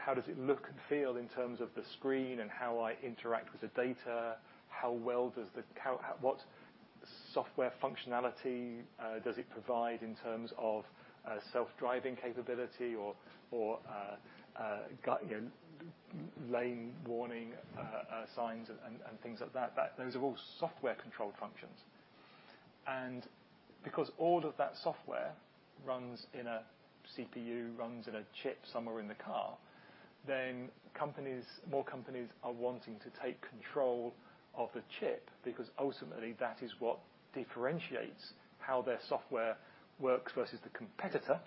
"How does it look and feel in terms of the screen and how I interact with the data? How well does the what software functionality does it provide in terms of self-driving capability or lane warning signs and things like that?" Those are all software-controlled functions. Because all of that software runs in a CPU, runs in a chip somewhere in the car, then more companies are wanting to take control of the chip because ultimately, that is what differentiates how their software works versus the competitor.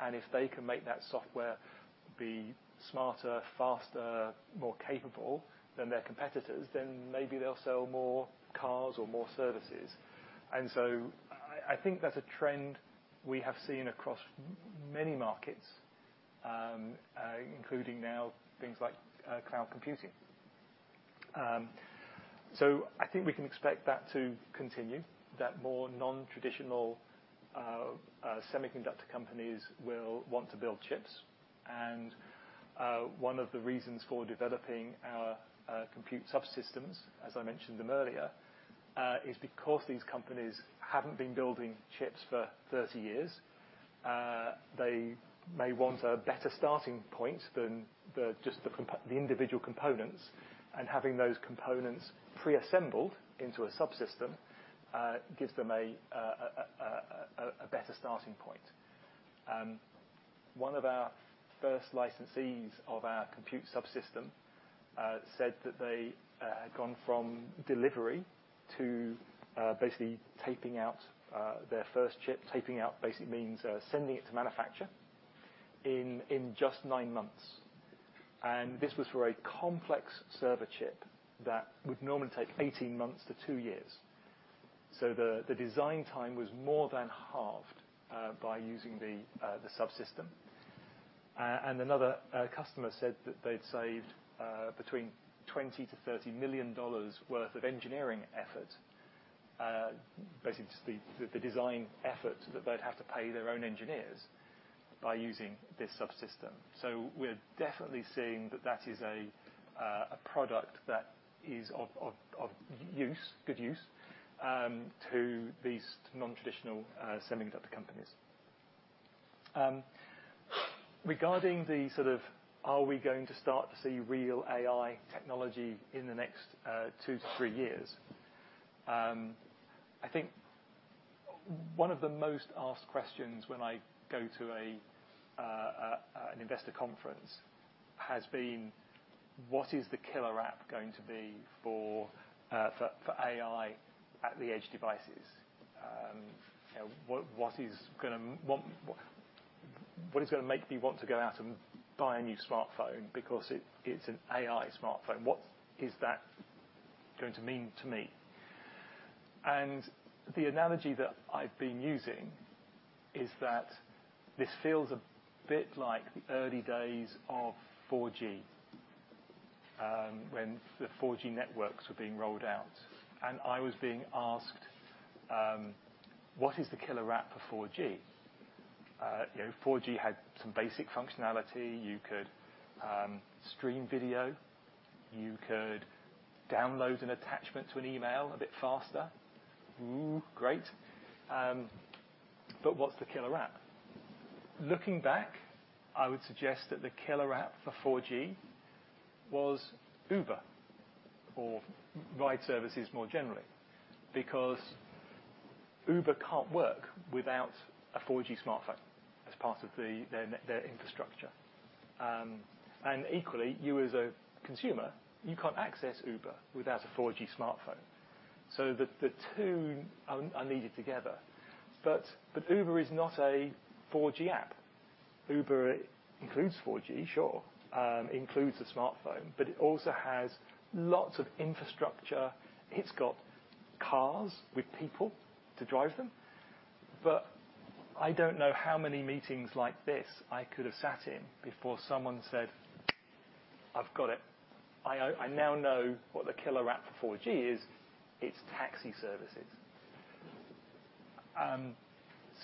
If they can make that software be smarter, faster, more capable than their competitors, then maybe they'll sell more cars or more services. So I think that's a trend we have seen across many markets, including now things like cloud computing. So I think we can expect that to continue, that more non-traditional semiconductor companies will want to build chips. One of the reasons for developing our compute subsystems, as I mentioned them earlier, is because these companies haven't been building chips for 30 years. They may want a better starting point than just the individual components. Having those components pre-assembled into a subsystem gives them a better starting point. One of our first licensees of our compute subsystem said that they had gone from delivery to basically tape out their first chip. Tape out basically means sending it to manufacture in just 9 months. This was for a complex server chip that would normally take 18 months to 2 years. The design time was more than halved by using the subsystem. Another customer said that they'd saved between $20-$30 million worth of engineering effort, basically just the design effort that they'd have to pay their own engineers by using this subsystem. We're definitely seeing that that is a product that is of good use to these non-traditional semiconductor companies. Regarding the sort of, "Are we going to start to see real AI technology in the next 2-3 years?" I think one of the most asked questions when I go to an investor conference has been, "What is the killer app going to be for AI at the edge devices? What is going to make me want to go out and buy a new smartphone because it's an AI smartphone? What is that going to mean to me?" And the analogy that I've been using is that this feels a bit like the early days of 4G when the 4G networks were being rolled out. And I was being asked, "What is the killer app for 4G?" 4G had some basic functionality. You could stream video. You could download an attachment to an email a bit faster. Great. But what's the killer app? Looking back, I would suggest that the killer app for 4G was Uber or ride services more generally because Uber can't work without a 4G smartphone as part of their infrastructure. And equally, you as a consumer, you can't access Uber without a 4G smartphone. So the two are needed together. But Uber is not a 4G app. Uber includes 4G, sure. It includes a smartphone. But it also has lots of infrastructure. It's got cars with people to drive them. But I don't know how many meetings like this I could have sat in before someone said, "I've got it. I now know what the killer app for 4G is. It's taxi services."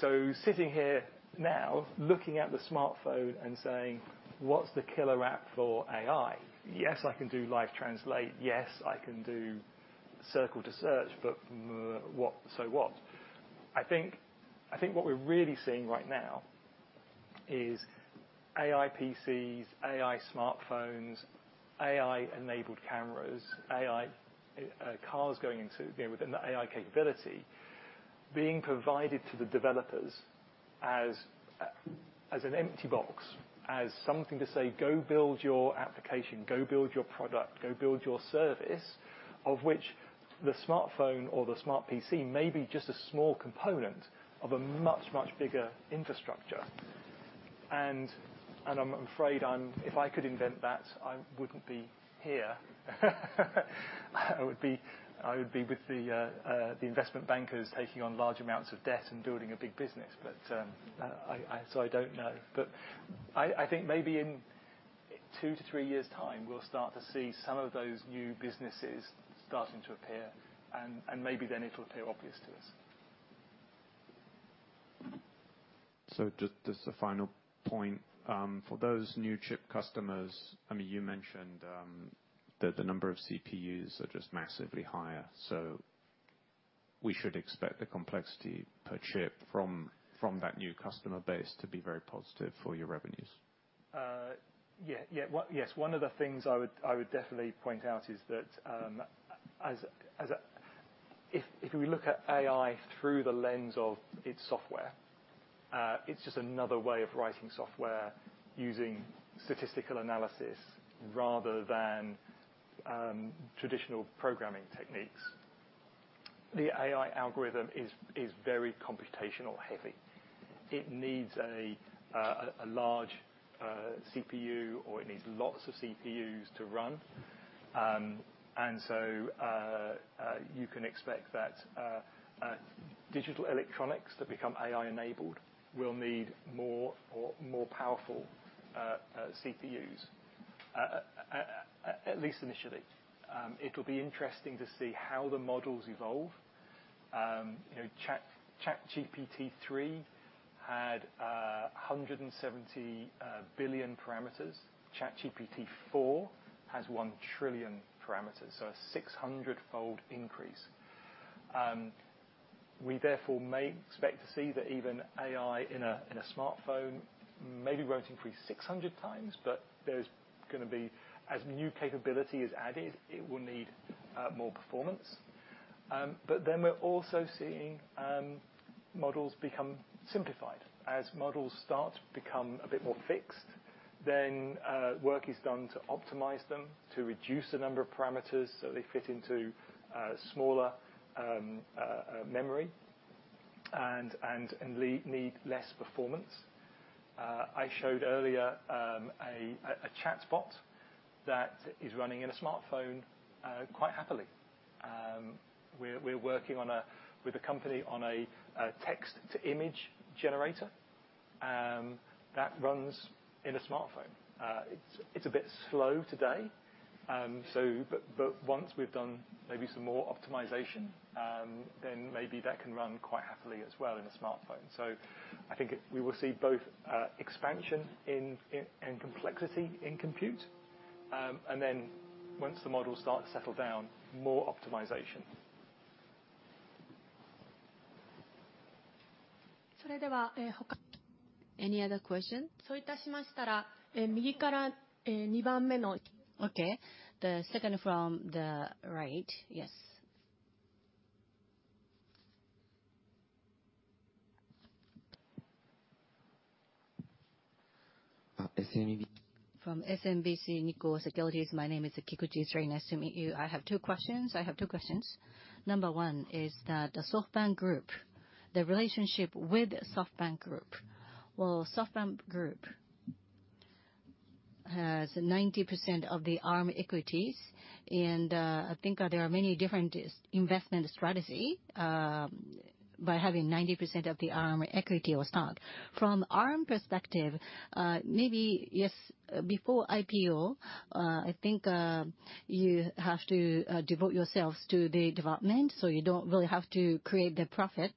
So sitting here now looking at the smartphone and saying, "What's the killer app for AI?" Yes, I can do live translate. Yes, I can do Circle to Search. But so what? I think what we're really seeing right now is AI PCs, AI smartphones, AI-enabled cameras, cars going into within the AI capability being provided to the developers as an empty box, as something to say, "Go build your application. Go build your product. Go build your service," of which the smartphone or the smart PC may be just a small component of a much, much bigger infrastructure. And I'm afraid if I could invent that, I wouldn't be here. I would be with the investment bankers taking on large amounts of debt and building a big business. So I don't know. But I think maybe in 2-3 years' time, we'll start to see some of those new businesses starting to appear. And maybe then it'll appear obvious to us. Just a final point. For those new chip customers, I mean, you mentioned that the number of CPUs are just massively higher. We should expect the complexity per chip from that new customer base to be very positive for your revenues. Yeah. Yes. One of the things I would definitely point out is that if we look at AI through the lens of its software, it's just another way of writing software using statistical analysis rather than traditional programming techniques. The AI algorithm is very computational-heavy. It needs a large CPU or it needs lots of CPUs to run. And so you can expect that digital electronics that become AI-enabled will need more powerful CPUs, at least initially. It'll be interesting to see how the models evolve. ChatGPT-3 had 170 billion parameters. ChatGPT-4 has 1 trillion parameters, so a 600-fold increase. We therefore may expect to see that even AI in a smartphone maybe won't increase 600 times. But there's going to be as new capability is added, it will need more performance. But then we're also seeing models become simplified. As models start to become a bit more fixed, then work is done to optimize them, to reduce the number of parameters so they fit into smaller memory and need less performance. I showed earlier a chatbot that is running in a smartphone quite happily. We're working with a company on a text-to-image generator that runs in a smartphone. It's a bit slow today. But once we've done maybe some more optimization, then maybe that can run quite happily as well in a smartphone. So I think we will see both expansion and complexity in compute. And then once the models start to settle down, more optimization. それでは他。Any other questions? そういたしましたら、右から2番目の。Okay. The second from the right, yes. From SMBC Nikko Securities. My name is Satoru Kikuchi. Nice to meet you. I have 2 questions. I have 2 questions. Number 1 is that SoftBank Group, the relationship with SoftBank Group. Well, SoftBank Group has 90% of the Arm equity. And I think there are many different investment strategies by having 90% of the Arm equity or stock. From Arm perspective, maybe, yes, before IPO, I think you have to devote yourselves to the development so you don't really have to create the profit.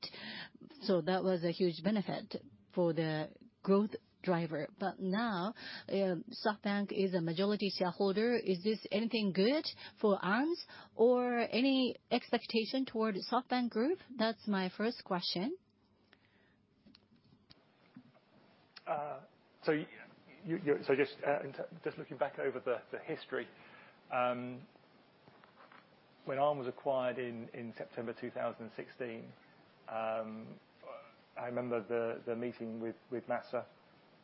So that was a huge benefit for the growth driver. But now, SoftBank is a majority shareholder. Is this anything good for Arm's or any expectation toward SoftBank Group? That's my first question. So just looking back over the history, when Arm was acquired in September 2016, I remember the meeting with Masayoshi Son,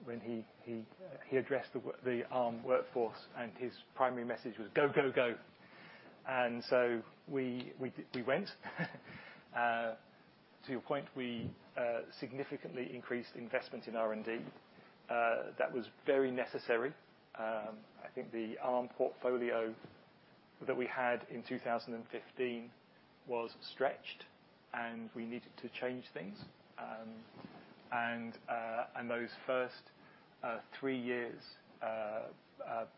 when he addressed the Arm workforce and his primary message was, "Go, go, go." And so we went. To your point, we significantly increased investment in R&D. That was very necessary. I think the Arm portfolio that we had in 2015 was stretched, and we needed to change things. And those first three years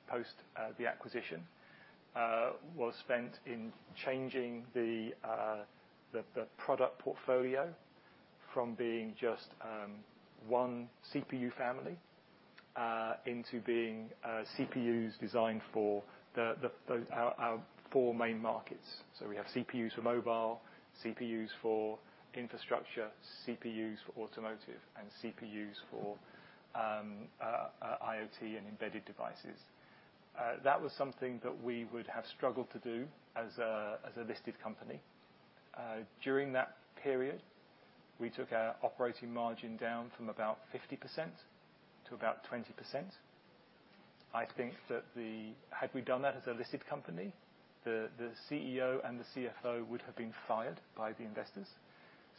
post-the acquisition were spent in changing the product portfolio from being just one CPU family into being CPUs designed for our four main markets. So we have CPUs for mobile, CPUs for infrastructure, CPUs for automotive, and CPUs for IoT and embedded devices. That was something that we would have struggled to do as a listed company. During that period, we took our operating margin down from about 50% to about 20%. I think that had we done that as a listed company, the CEO and the CFO would have been fired by the investors.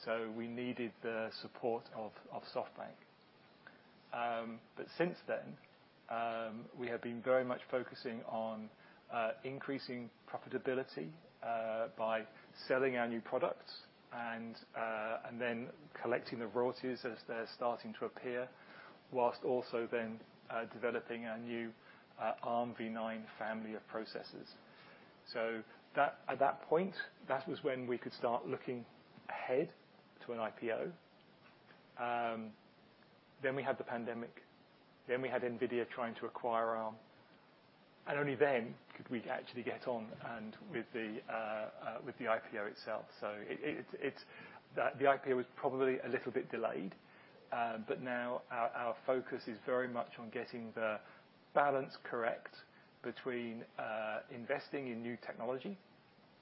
So we needed the support of SoftBank. But since then, we have been very much focusing on increasing profitability by selling our new products and then collecting the royalties as they're starting to appear, while also then developing our new Armv9 family of processors. So at that point, that was when we could start looking ahead to an IPO. Then we had the pandemic. Then we had NVIDIA trying to acquire Arm. And only then could we actually get on with the IPO itself. So the IPO was probably a little bit delayed. But now, our focus is very much on getting the balance correct between investing in new technology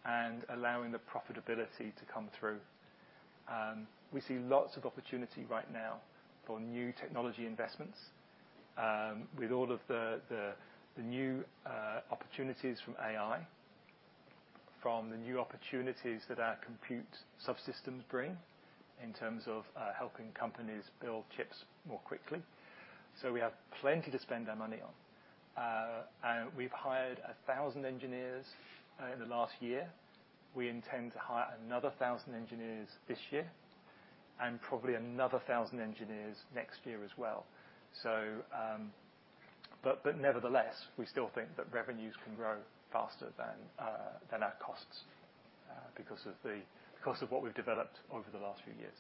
and allowing the profitability to come through. We see lots of opportunity right now for new technology investments with all of the new opportunities from AI, from the new opportunities that our compute subsystems bring in terms of helping companies build chips more quickly. So we have plenty to spend our money on. And we've hired 1,000 engineers in the last year. We intend to hire another 1,000 engineers this year and probably another 1,000 engineers next year as well. But nevertheless, we still think that revenues can grow faster than our costs because of what we've developed over the last few years.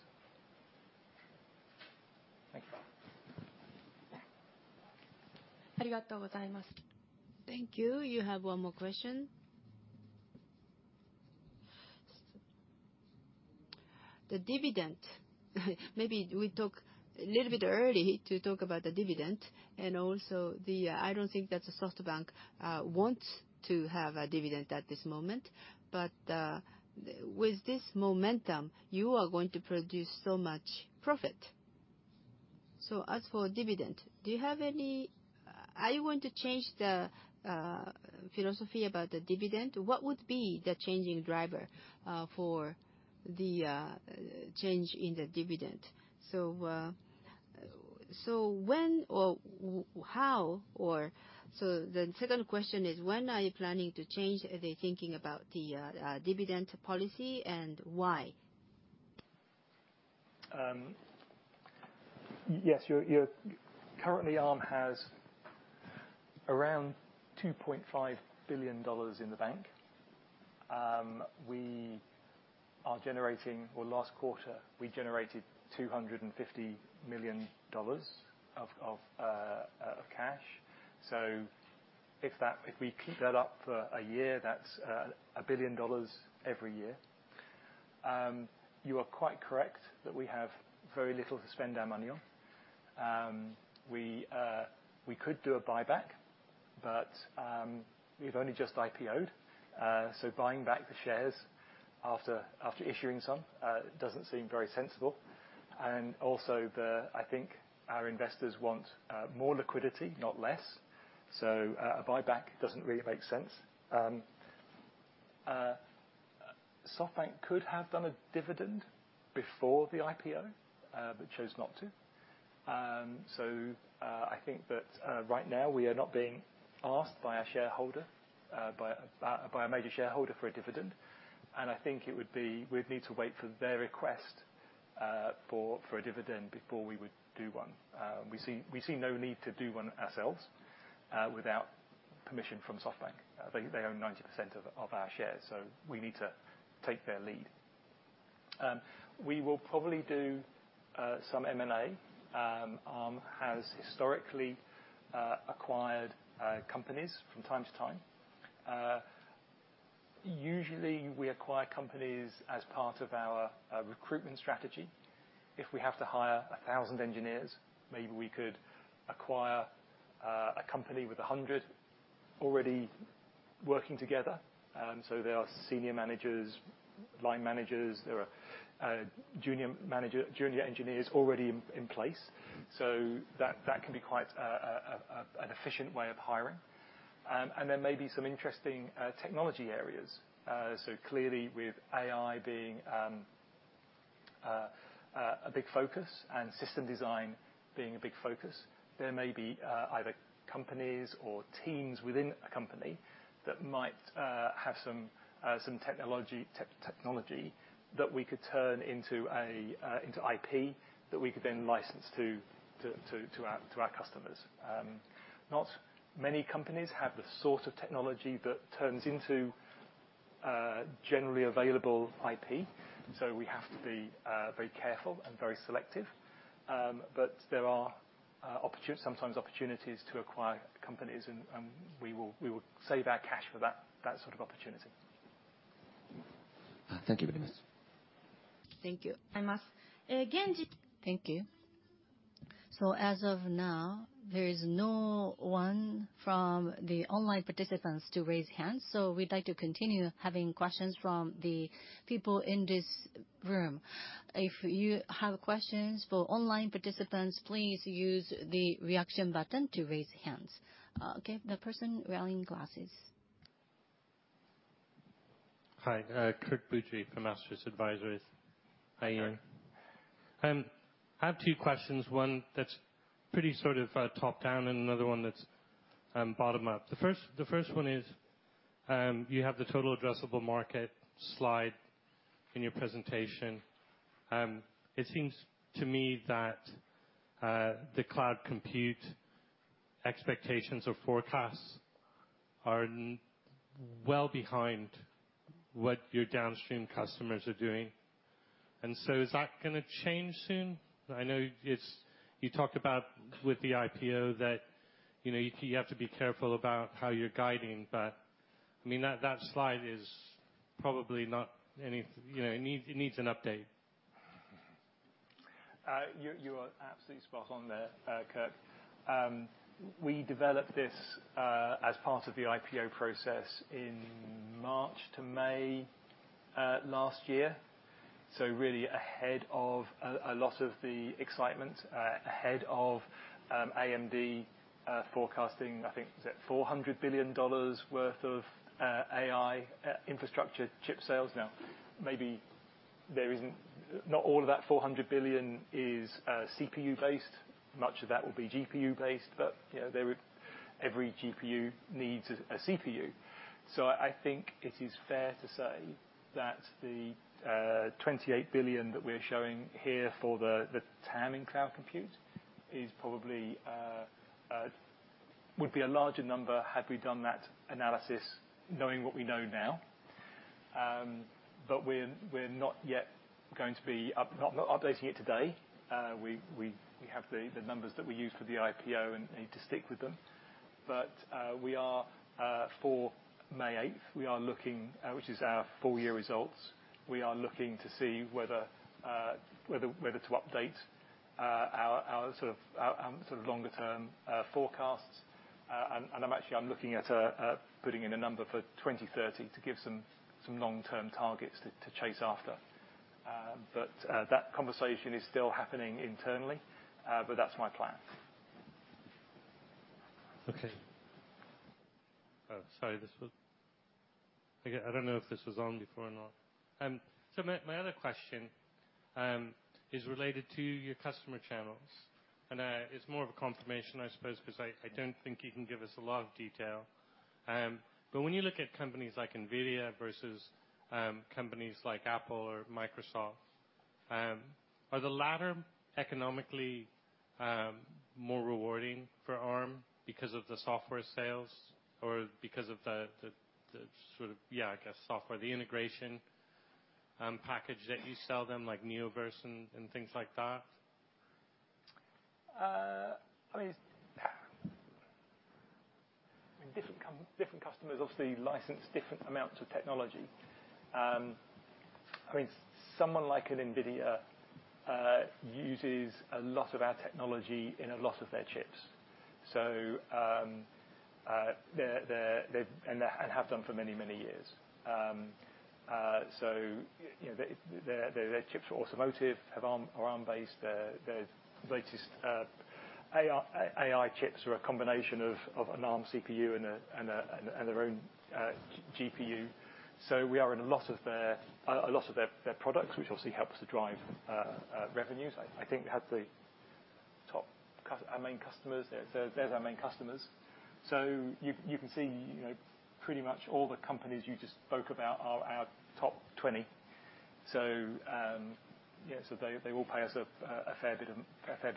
Thank you. ありがとうございます。Thank you. You have one more question. The dividend. Maybe we talked a little bit early to talk about the dividend. And also, I don't think that SoftBank wants to have a dividend at this moment. But with this momentum, you are going to produce so much profit. So as for dividend, do you have any are you going to change the philosophy about the dividend? What would be the changing driver for the change in the dividend? So when or how or so the second question is, when are you planning to change the thinking about the dividend policy and why? Yes. Currently, Arm has around $2.5 billion in the bank. We are generating well, last quarter, we generated $250 million of cash. So if we keep that up for a year, that's $1 billion every year. You are quite correct that we have very little to spend our money on. We could do a buyback, but we've only just IPOed. So buying back the shares after issuing some doesn't seem very sensible. And also, I think our investors want more liquidity, not less. So a buyback doesn't really make sense. SoftBank could have done a dividend before the IPO but chose not to. So I think that right now, we are not being asked by a major shareholder for a dividend. And I think we'd need to wait for their request for a dividend before we would do one. We see no need to do one ourselves without permission from SoftBank. They own 90% of our shares. So we need to take their lead. We will probably do some M&A. ARM has historically acquired companies from time to time. Usually, we acquire companies as part of our recruitment strategy. If we have to hire 1,000 engineers, maybe we could acquire a company with 100 already working together. So there are senior managers, line managers. There are junior engineers already in place. So that can be quite an efficient way of hiring. And then maybe some interesting technology areas. So clearly, with AI being a big focus and system design being a big focus, there may be either companies or teams within a company that might have some technology that we could turn into IP that we could then license to our customers. Not many companies have the sort of technology that turns into generally available IP. We have to be very careful and very selective. There are sometimes opportunities to acquire companies. We will save our cash for that sort of opportunity. Thank you very much. Thank you. ございます。現在。Thank you. As of now, there is no one from the online participants to raise hands. We'd like to continue having questions from the people in this room. If you have questions for online participants, please use the reaction button to raise hands. Okay. The person wearing glasses. Hi. Kirk Boodry from Astris Advisory. Hi, Ian. I have two questions. One that's pretty sort of top-down and another one that's bottom-up. The first one is, you have the total addressable market slide in your presentation. It seems to me that the cloud compute expectations or forecasts are well behind what your downstream customers are doing. And so is that going to change soon? I know you talked about with the IPO that you have to be careful about how you're guiding. But I mean, that slide is probably not any, it needs an update. You're absolutely spot on there, Kirk. We developed this as part of the IPO process in March to May last year. So really ahead of a lot of the excitement, ahead of AMD forecasting, I think, was it $400 billion worth of AI infrastructure chip sales. Now, maybe not all of that $400 billion is CPU-based. Much of that will be GPU-based. But every GPU needs a CPU. So I think it is fair to say that the $28 billion that we're showing here for the TAM in cloud compute would be a larger number had we done that analysis knowing what we know now. But we're not yet going to be updating it today. We have the numbers that we use for the IPO and need to stick with them. But for May 8th, which is our full-year results, we are looking to see whether to update our sort of longer-term forecasts. And actually, I'm looking at putting in a number for 2030 to give some long-term targets to chase after. But that conversation is still happening internally. But that's my plan. Okay. Sorry. I don't know if this was on before or not. So my other question is related to your customer channels. And it's more of a confirmation, I suppose, because I don't think you can give us a lot of detail. But when you look at companies like NVIDIA versus companies like Apple or Microsoft, are the latter economically more rewarding for Arm because of the software sales or because of the sort of, yeah, I guess, software, the integration package that you sell them, like Neoverse and things like that? I mean, different customers obviously license different amounts of technology. I mean, someone like an NVIDIA uses a lot of our technology in a lot of their chips. And have done for many, many years. So their chips for automotive are Arm-based. Their latest AI chips are a combination of an Arm CPU and their own GPU. So we are in a lot of their products, which obviously helps to drive revenues. I think we had the top our main customers. There's our main customers. So you can see pretty much all the companies you just spoke about are our top 20. So yeah. So they all pay us a fair bit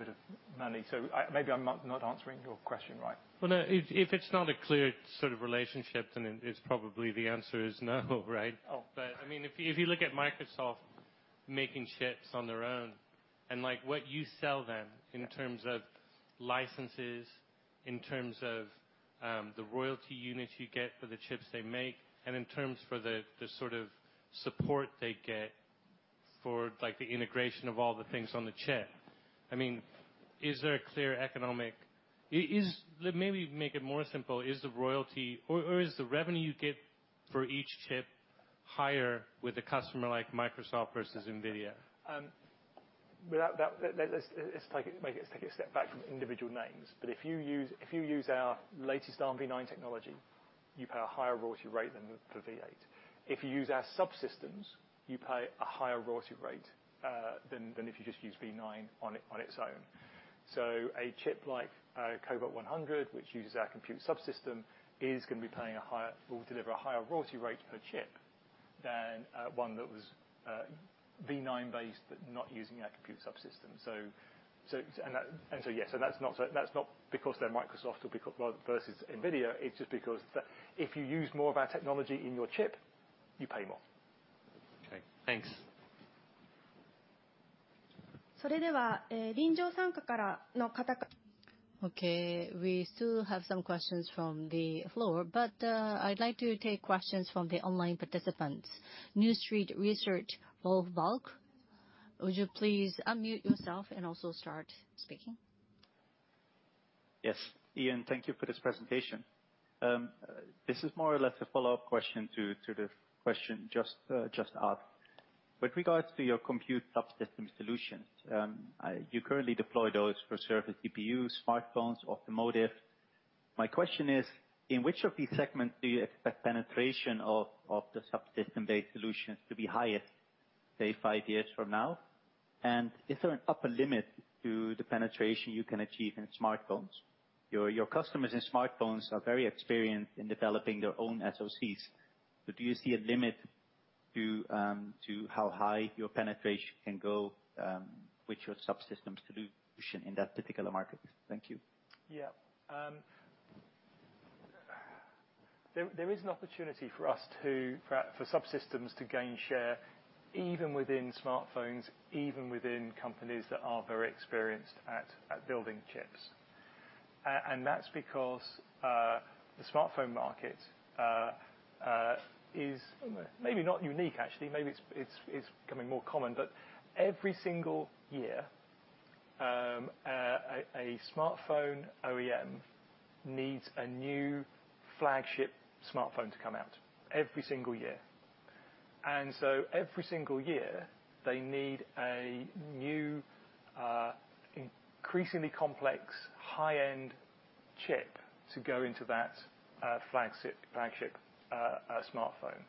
of money. So maybe I'm not answering your question right. Well, no. If it's not a clear sort of relationship, then probably the answer is no, right? But I mean, if you look at Microsoft making chips on their own and what you sell them in terms of licenses, in terms of the royalty units you get for the chips they make, and in terms of the sort of support they get for the integration of all the things on the chip, I mean, is there a clear economic maybe make it more simple. Is the royalty or is the revenue you get for each chip higher with a customer like Microsoft versus NVIDIA? Well, let's take a step back from individual names. But if you use our latest Armv9 technology, you pay a higher royalty rate than for Armv8. If you use our subsystems, you pay a higher royalty rate than if you just use v9 on its own. So a chip like Cobalt 100, which uses our compute subsystem, is going to be paying a higher will deliver a higher royalty rate per chip than one that was v9-based but not using our compute subsystem. And so yeah. So that's not because they're Microsoft versus NVIDIA. It's just because if you use more of our technology in your chip, you pay more. Okay. Thanks. それでは、臨場参加からの方。Okay. We still have some questions from the floor. But I'd like to take questions from the online participants. New Street Research, Rolf Bulk. Would you please unmute yourself and also start speaking? Yes. Ian, thank you for this presentation. This is more or less a follow-up question to the question just asked. With regards to your Compute Subsystem solutions, you currently deploy those for server CPUs, smartphones, automotive. My question is, in which of these segments do you expect penetration of the subsystem-based solutions to be highest, say, five years from now? And is there an upper limit to the penetration you can achieve in smartphones? Your customers in smartphones are very experienced in developing their own SOCs. So do you see a limit to how high your penetration can go with your subsystem solution in that particular market? Thank you. Yeah. There is an opportunity for subsystems to gain share even within smartphones, even within companies that are very experienced at building chips. That's because the smartphone market is maybe not unique, actually. Maybe it's becoming more common. Every single year, a smartphone OEM needs a new flagship smartphone to come out. Every single year. Every single year, they need a new, increasingly complex, high-end chip to go into that flagship smartphone.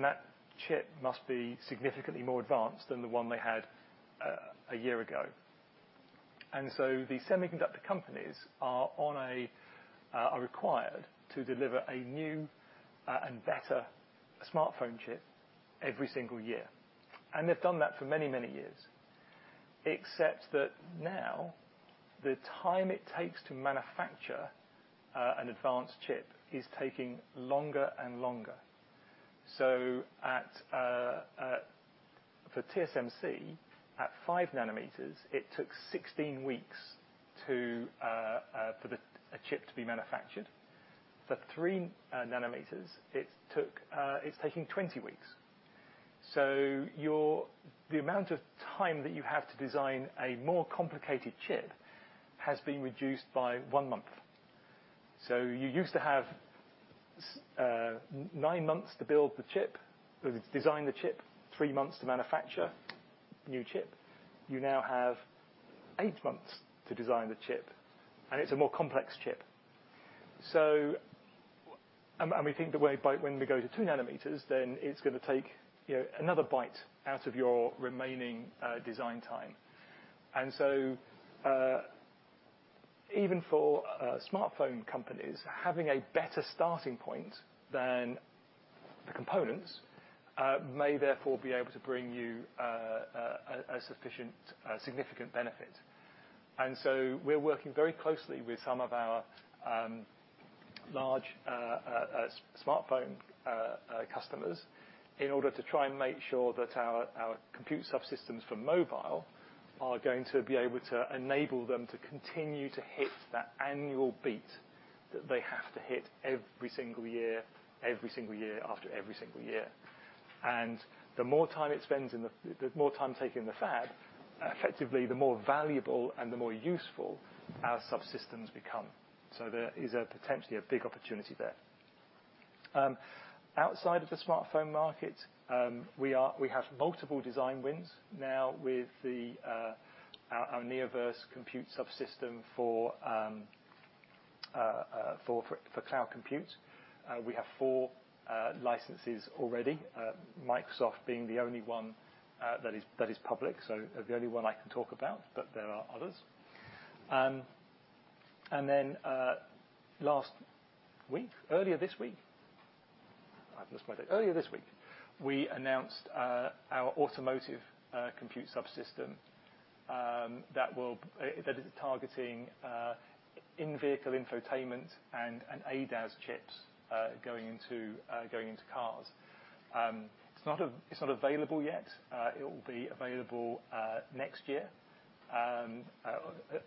That chip must be significantly more advanced than the one they had a year ago. The semiconductor companies are required to deliver a new and better smartphone chip every single year. They've done that for many, many years. Except that now, the time it takes to manufacture an advanced chip is taking longer and longer. So for TSMC, at 5 nanometers, it took 16 weeks for a chip to be manufactured. For 3 nanometers, it's taking 20 weeks. So the amount of time that you have to design a more complicated chip has been reduced by 1 month. So you used to have 9 months to design the chip, 3 months to manufacture a new chip. You now have 8 months to design the chip. And it's a more complex chip. And we think that when we go to 2 nanometers, then it's going to take another bite out of your remaining design time. And so even for smartphone companies, having a better starting point than the components may therefore be able to bring you a significant benefit. And so we're working very closely with some of our large smartphone customers in order to try and make sure that our compute subsystems for mobile are going to be able to enable them to continue to hit that annual beat that they have to hit every single year, every single year after every single year. And the more time it spends in the more time taken in the fab, effectively, the more valuable and the more useful our subsystems become. So there is potentially a big opportunity there. Outside of the smartphone market, we have multiple design wins now with our Neoverse Compute Subsystem for cloud compute. We have 4 licenses already, Microsoft being the only one that is public, so the only one I can talk about. But there are others. And then last week, earlier this week I've lost my date. Earlier this week, we announced our automotive compute subsystem that is targeting in-vehicle infotainment and ADAS chips going into cars. It's not available yet. It will be available next year,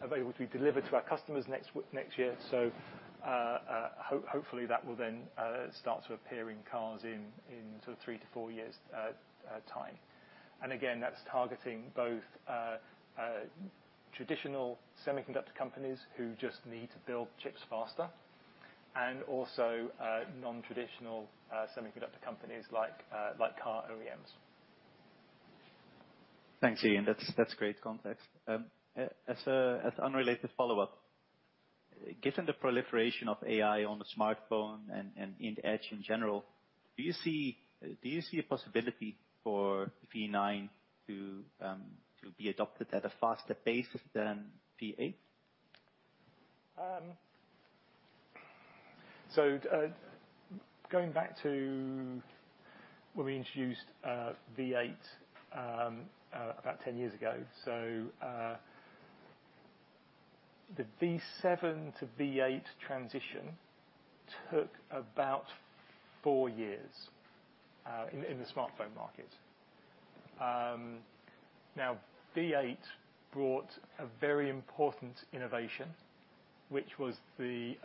available to be delivered to our customers next year. So hopefully, that will then start to appear in cars in sort of 3-4 years' time. And again, that's targeting both traditional semiconductor companies who just need to build chips faster and also non-traditional semiconductor companies like car OEMs. Thanks, Ian. That's great context. As an unrelated follow-up, given the proliferation of AI on the smartphone and in edge in general, do you see a possibility for v9 to be adopted at a faster pace than v8? So going back to when we introduced v8 about 10 years ago, so the v7 to v8 transition took about four years in the smartphone market. Now, v8 brought a very important innovation, which was the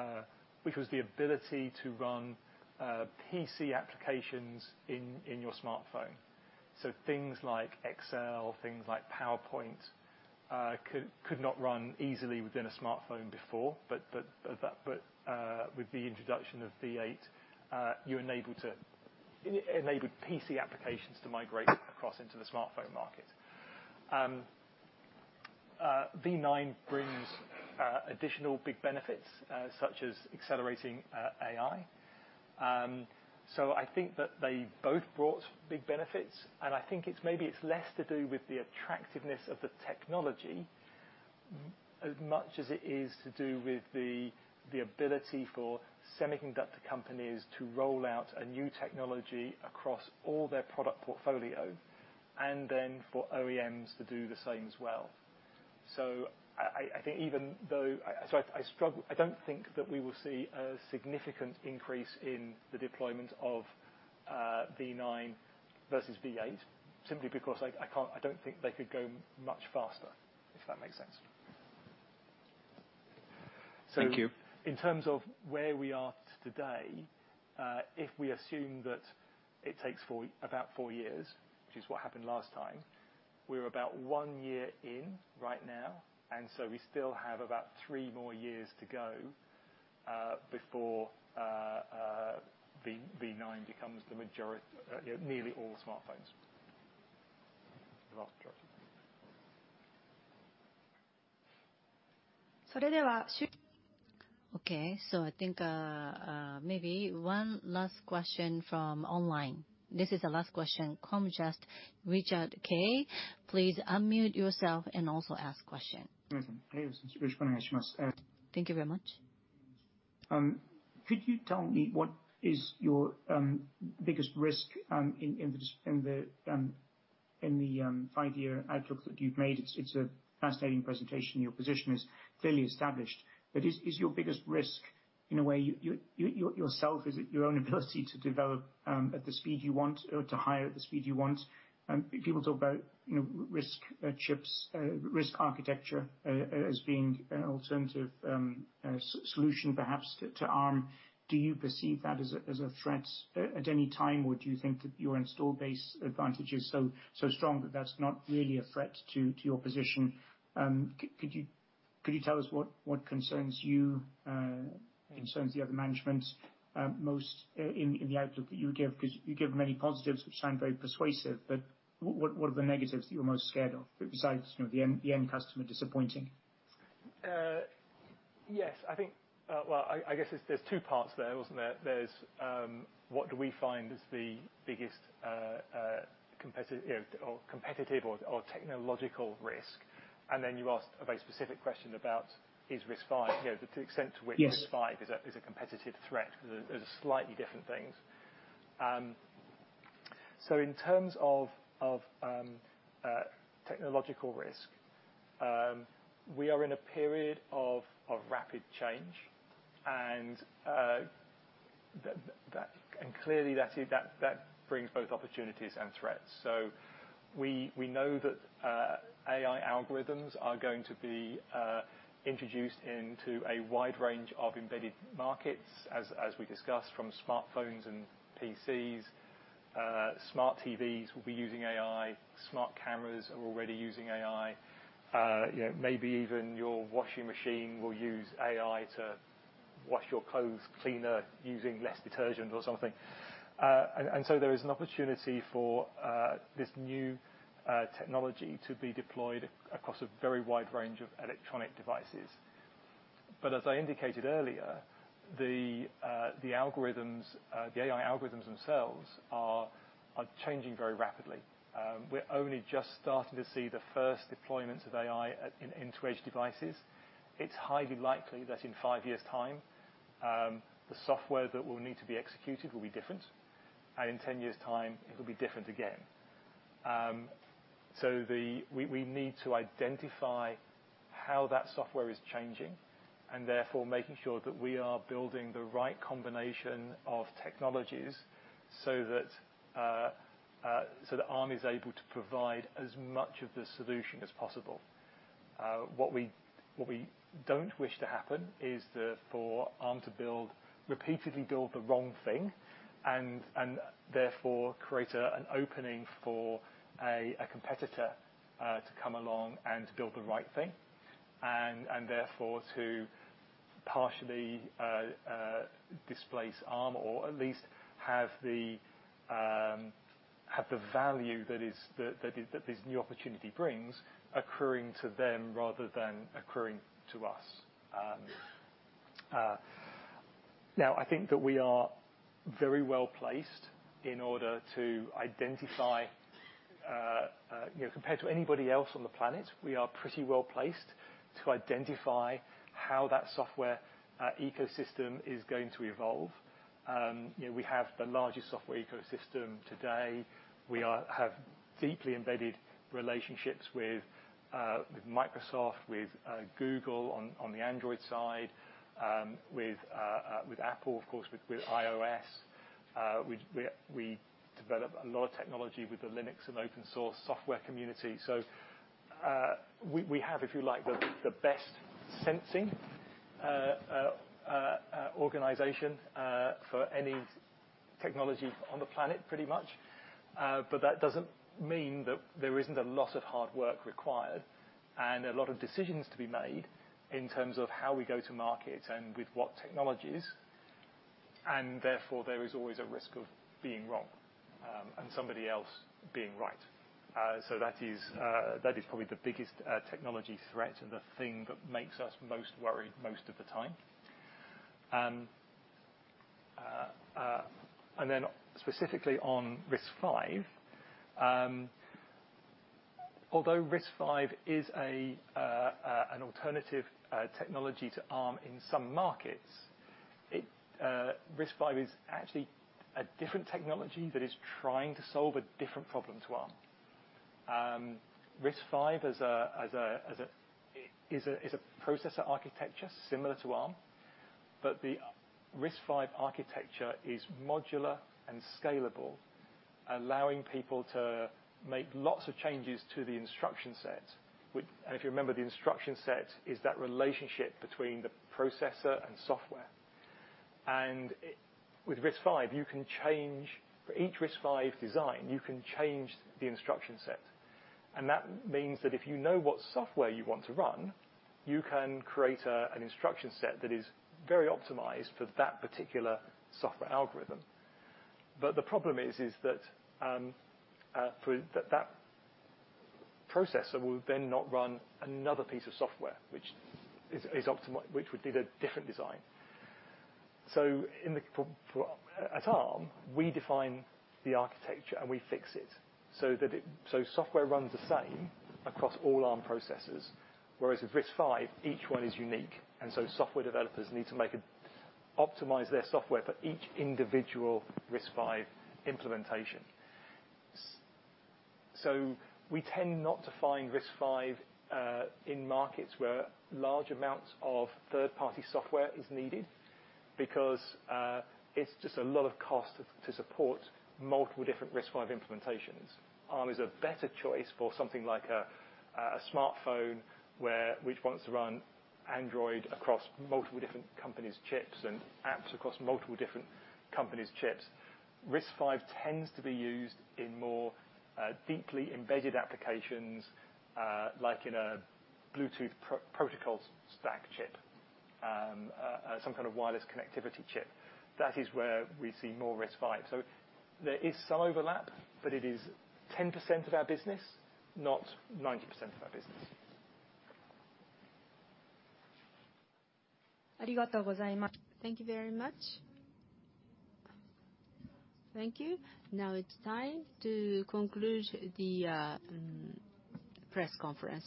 ability to run PC applications in your smartphone. So things like Excel, things like PowerPoint could not run easily within a smartphone before. But with the introduction of v8, you enabled PC applications to migrate across into the smartphone market. v9 brings additional big benefits such as accelerating AI. So I think that they both brought big benefits. And I think maybe it's less to do with the attractiveness of the technology as much as it is to do with the ability for semiconductor companies to roll out a new technology across all their product portfolio and then for OEMs to do the same as well. I think even though I don't think that we will see a significant increase in the deployment of v9 versus v8 simply because I don't think they could go much faster, if that makes sense. Thank you. In terms of where we are today, if we assume that it takes about 4 years, which is what happened last time, we're about 1 year in right now. We still have about 3 more years to go before v9 becomes the majority nearly all smartphones. The vast majority. それでは。Okay. So I think maybe one last question from online. This is a last question from just Richard Kaye. Please unmute yourself and also ask a question. 皆さん、ありがとうございます。よろしくお願いします。Thank you very much. Could you tell me what is your biggest risk in the five-year outlook that you've made? It's a fascinating presentation. Your position is clearly established. But is your biggest risk, in a way, yourself, is it your own ability to develop at the speed you want or to hire at the speed you want? People talk about RISC architecture as being an alternative solution, perhaps, to Arm. Do you perceive that as a threat at any time, or do you think that your install base advantage is so strong that that's not really a threat to your position? Could you tell us what concerns you, concerns the other management most in the outlook that you would give? Because you give many positives, which sound very persuasive. But what are the negatives that you're most scared of besides the end customer disappointing? Yes. Well, I guess there's two parts there, wasn't there? There's what do we find is the biggest competitive or technological risk? And then you asked a very specific question about is RISC-V, to the extent to which RISC-V is a competitive threat. Because those are slightly different things. So in terms of technological risk, we are in a period of rapid change. And clearly, that brings both opportunities and threats. So we know that AI algorithms are going to be introduced into a wide range of embedded markets, as we discussed, from smartphones and PCs. Smart TVs will be using AI. Smart cameras are already using AI. Maybe even your washing machine will use AI to wash your clothes cleaner using less detergent or something. And so there is an opportunity for this new technology to be deployed across a very wide range of electronic devices. As I indicated earlier, the AI algorithms themselves are changing very rapidly. We're only just starting to see the first deployments of AI into edge devices. It's highly likely that in five years' time, the software that will need to be executed will be different. In 10 years' time, it'll be different again. We need to identify how that software is changing and therefore making sure that we are building the right combination of technologies so that Arm is able to provide as much of the solution as possible. What we don't wish to happen is for Arm to repeatedly build the wrong thing and therefore create an opening for a competitor to come along and build the right thing and therefore to partially displace Arm or at least have the value that this new opportunity brings accruing to them rather than accruing to us. Now, I think that we are very well placed in order to identify compared to anybody else on the planet, we are pretty well placed to identify how that software ecosystem is going to evolve. We have the largest software ecosystem today. We have deeply embedded relationships with Microsoft, with Google on the Android side, with Apple, of course, with iOS. We develop a lot of technology with the Linux and open-source software community. So we have, if you like, the best sensing organization for any technology on the planet, pretty much. But that doesn't mean that there isn't a lot of hard work required and a lot of decisions to be made in terms of how we go to market and with what technologies. Therefore, there is always a risk of being wrong and somebody else being right. So that is probably the biggest technology threat and the thing that makes us most worried most of the time. Then specifically on RISC-V, although RISC-V is an alternative technology to Arm in some markets, RISC-V is actually a different technology that is trying to solve a different problem to Arm. RISC-V is a processor architecture similar to Arm. But the RISC-V architecture is modular and scalable, allowing people to make lots of changes to the instruction set. And if you remember, the instruction set is that relationship between the processor and software. And with RISC-V, for each RISC-V design, you can change the instruction set. And that means that if you know what software you want to run, you can create an instruction set that is very optimized for that particular software algorithm. But the problem is that that processor will then not run another piece of software, which would need a different design. So at Arm, we define the architecture, and we fix it so software runs the same across all Arm processors. Whereas with RISC-V, each one is unique. And so software developers need to optimize their software for each individual RISC-V implementation. So we tend not to find RISC-V in markets where large amounts of third-party software is needed because it's just a lot of cost to support multiple different RISC-V implementations. Arm is a better choice for something like a smartphone which wants to run Android across multiple different companies' chips and apps across multiple different companies' chips. RISC-V tends to be used in more deeply embedded applications like in a Bluetooth protocol stack chip, some kind of wireless connectivity chip. That is where we see more risk five. So there is some overlap, but it is 10% of our business, not 90% of our business. ありがとうございます。Thank you very much. Thank you. Now it's time to conclude the press conference.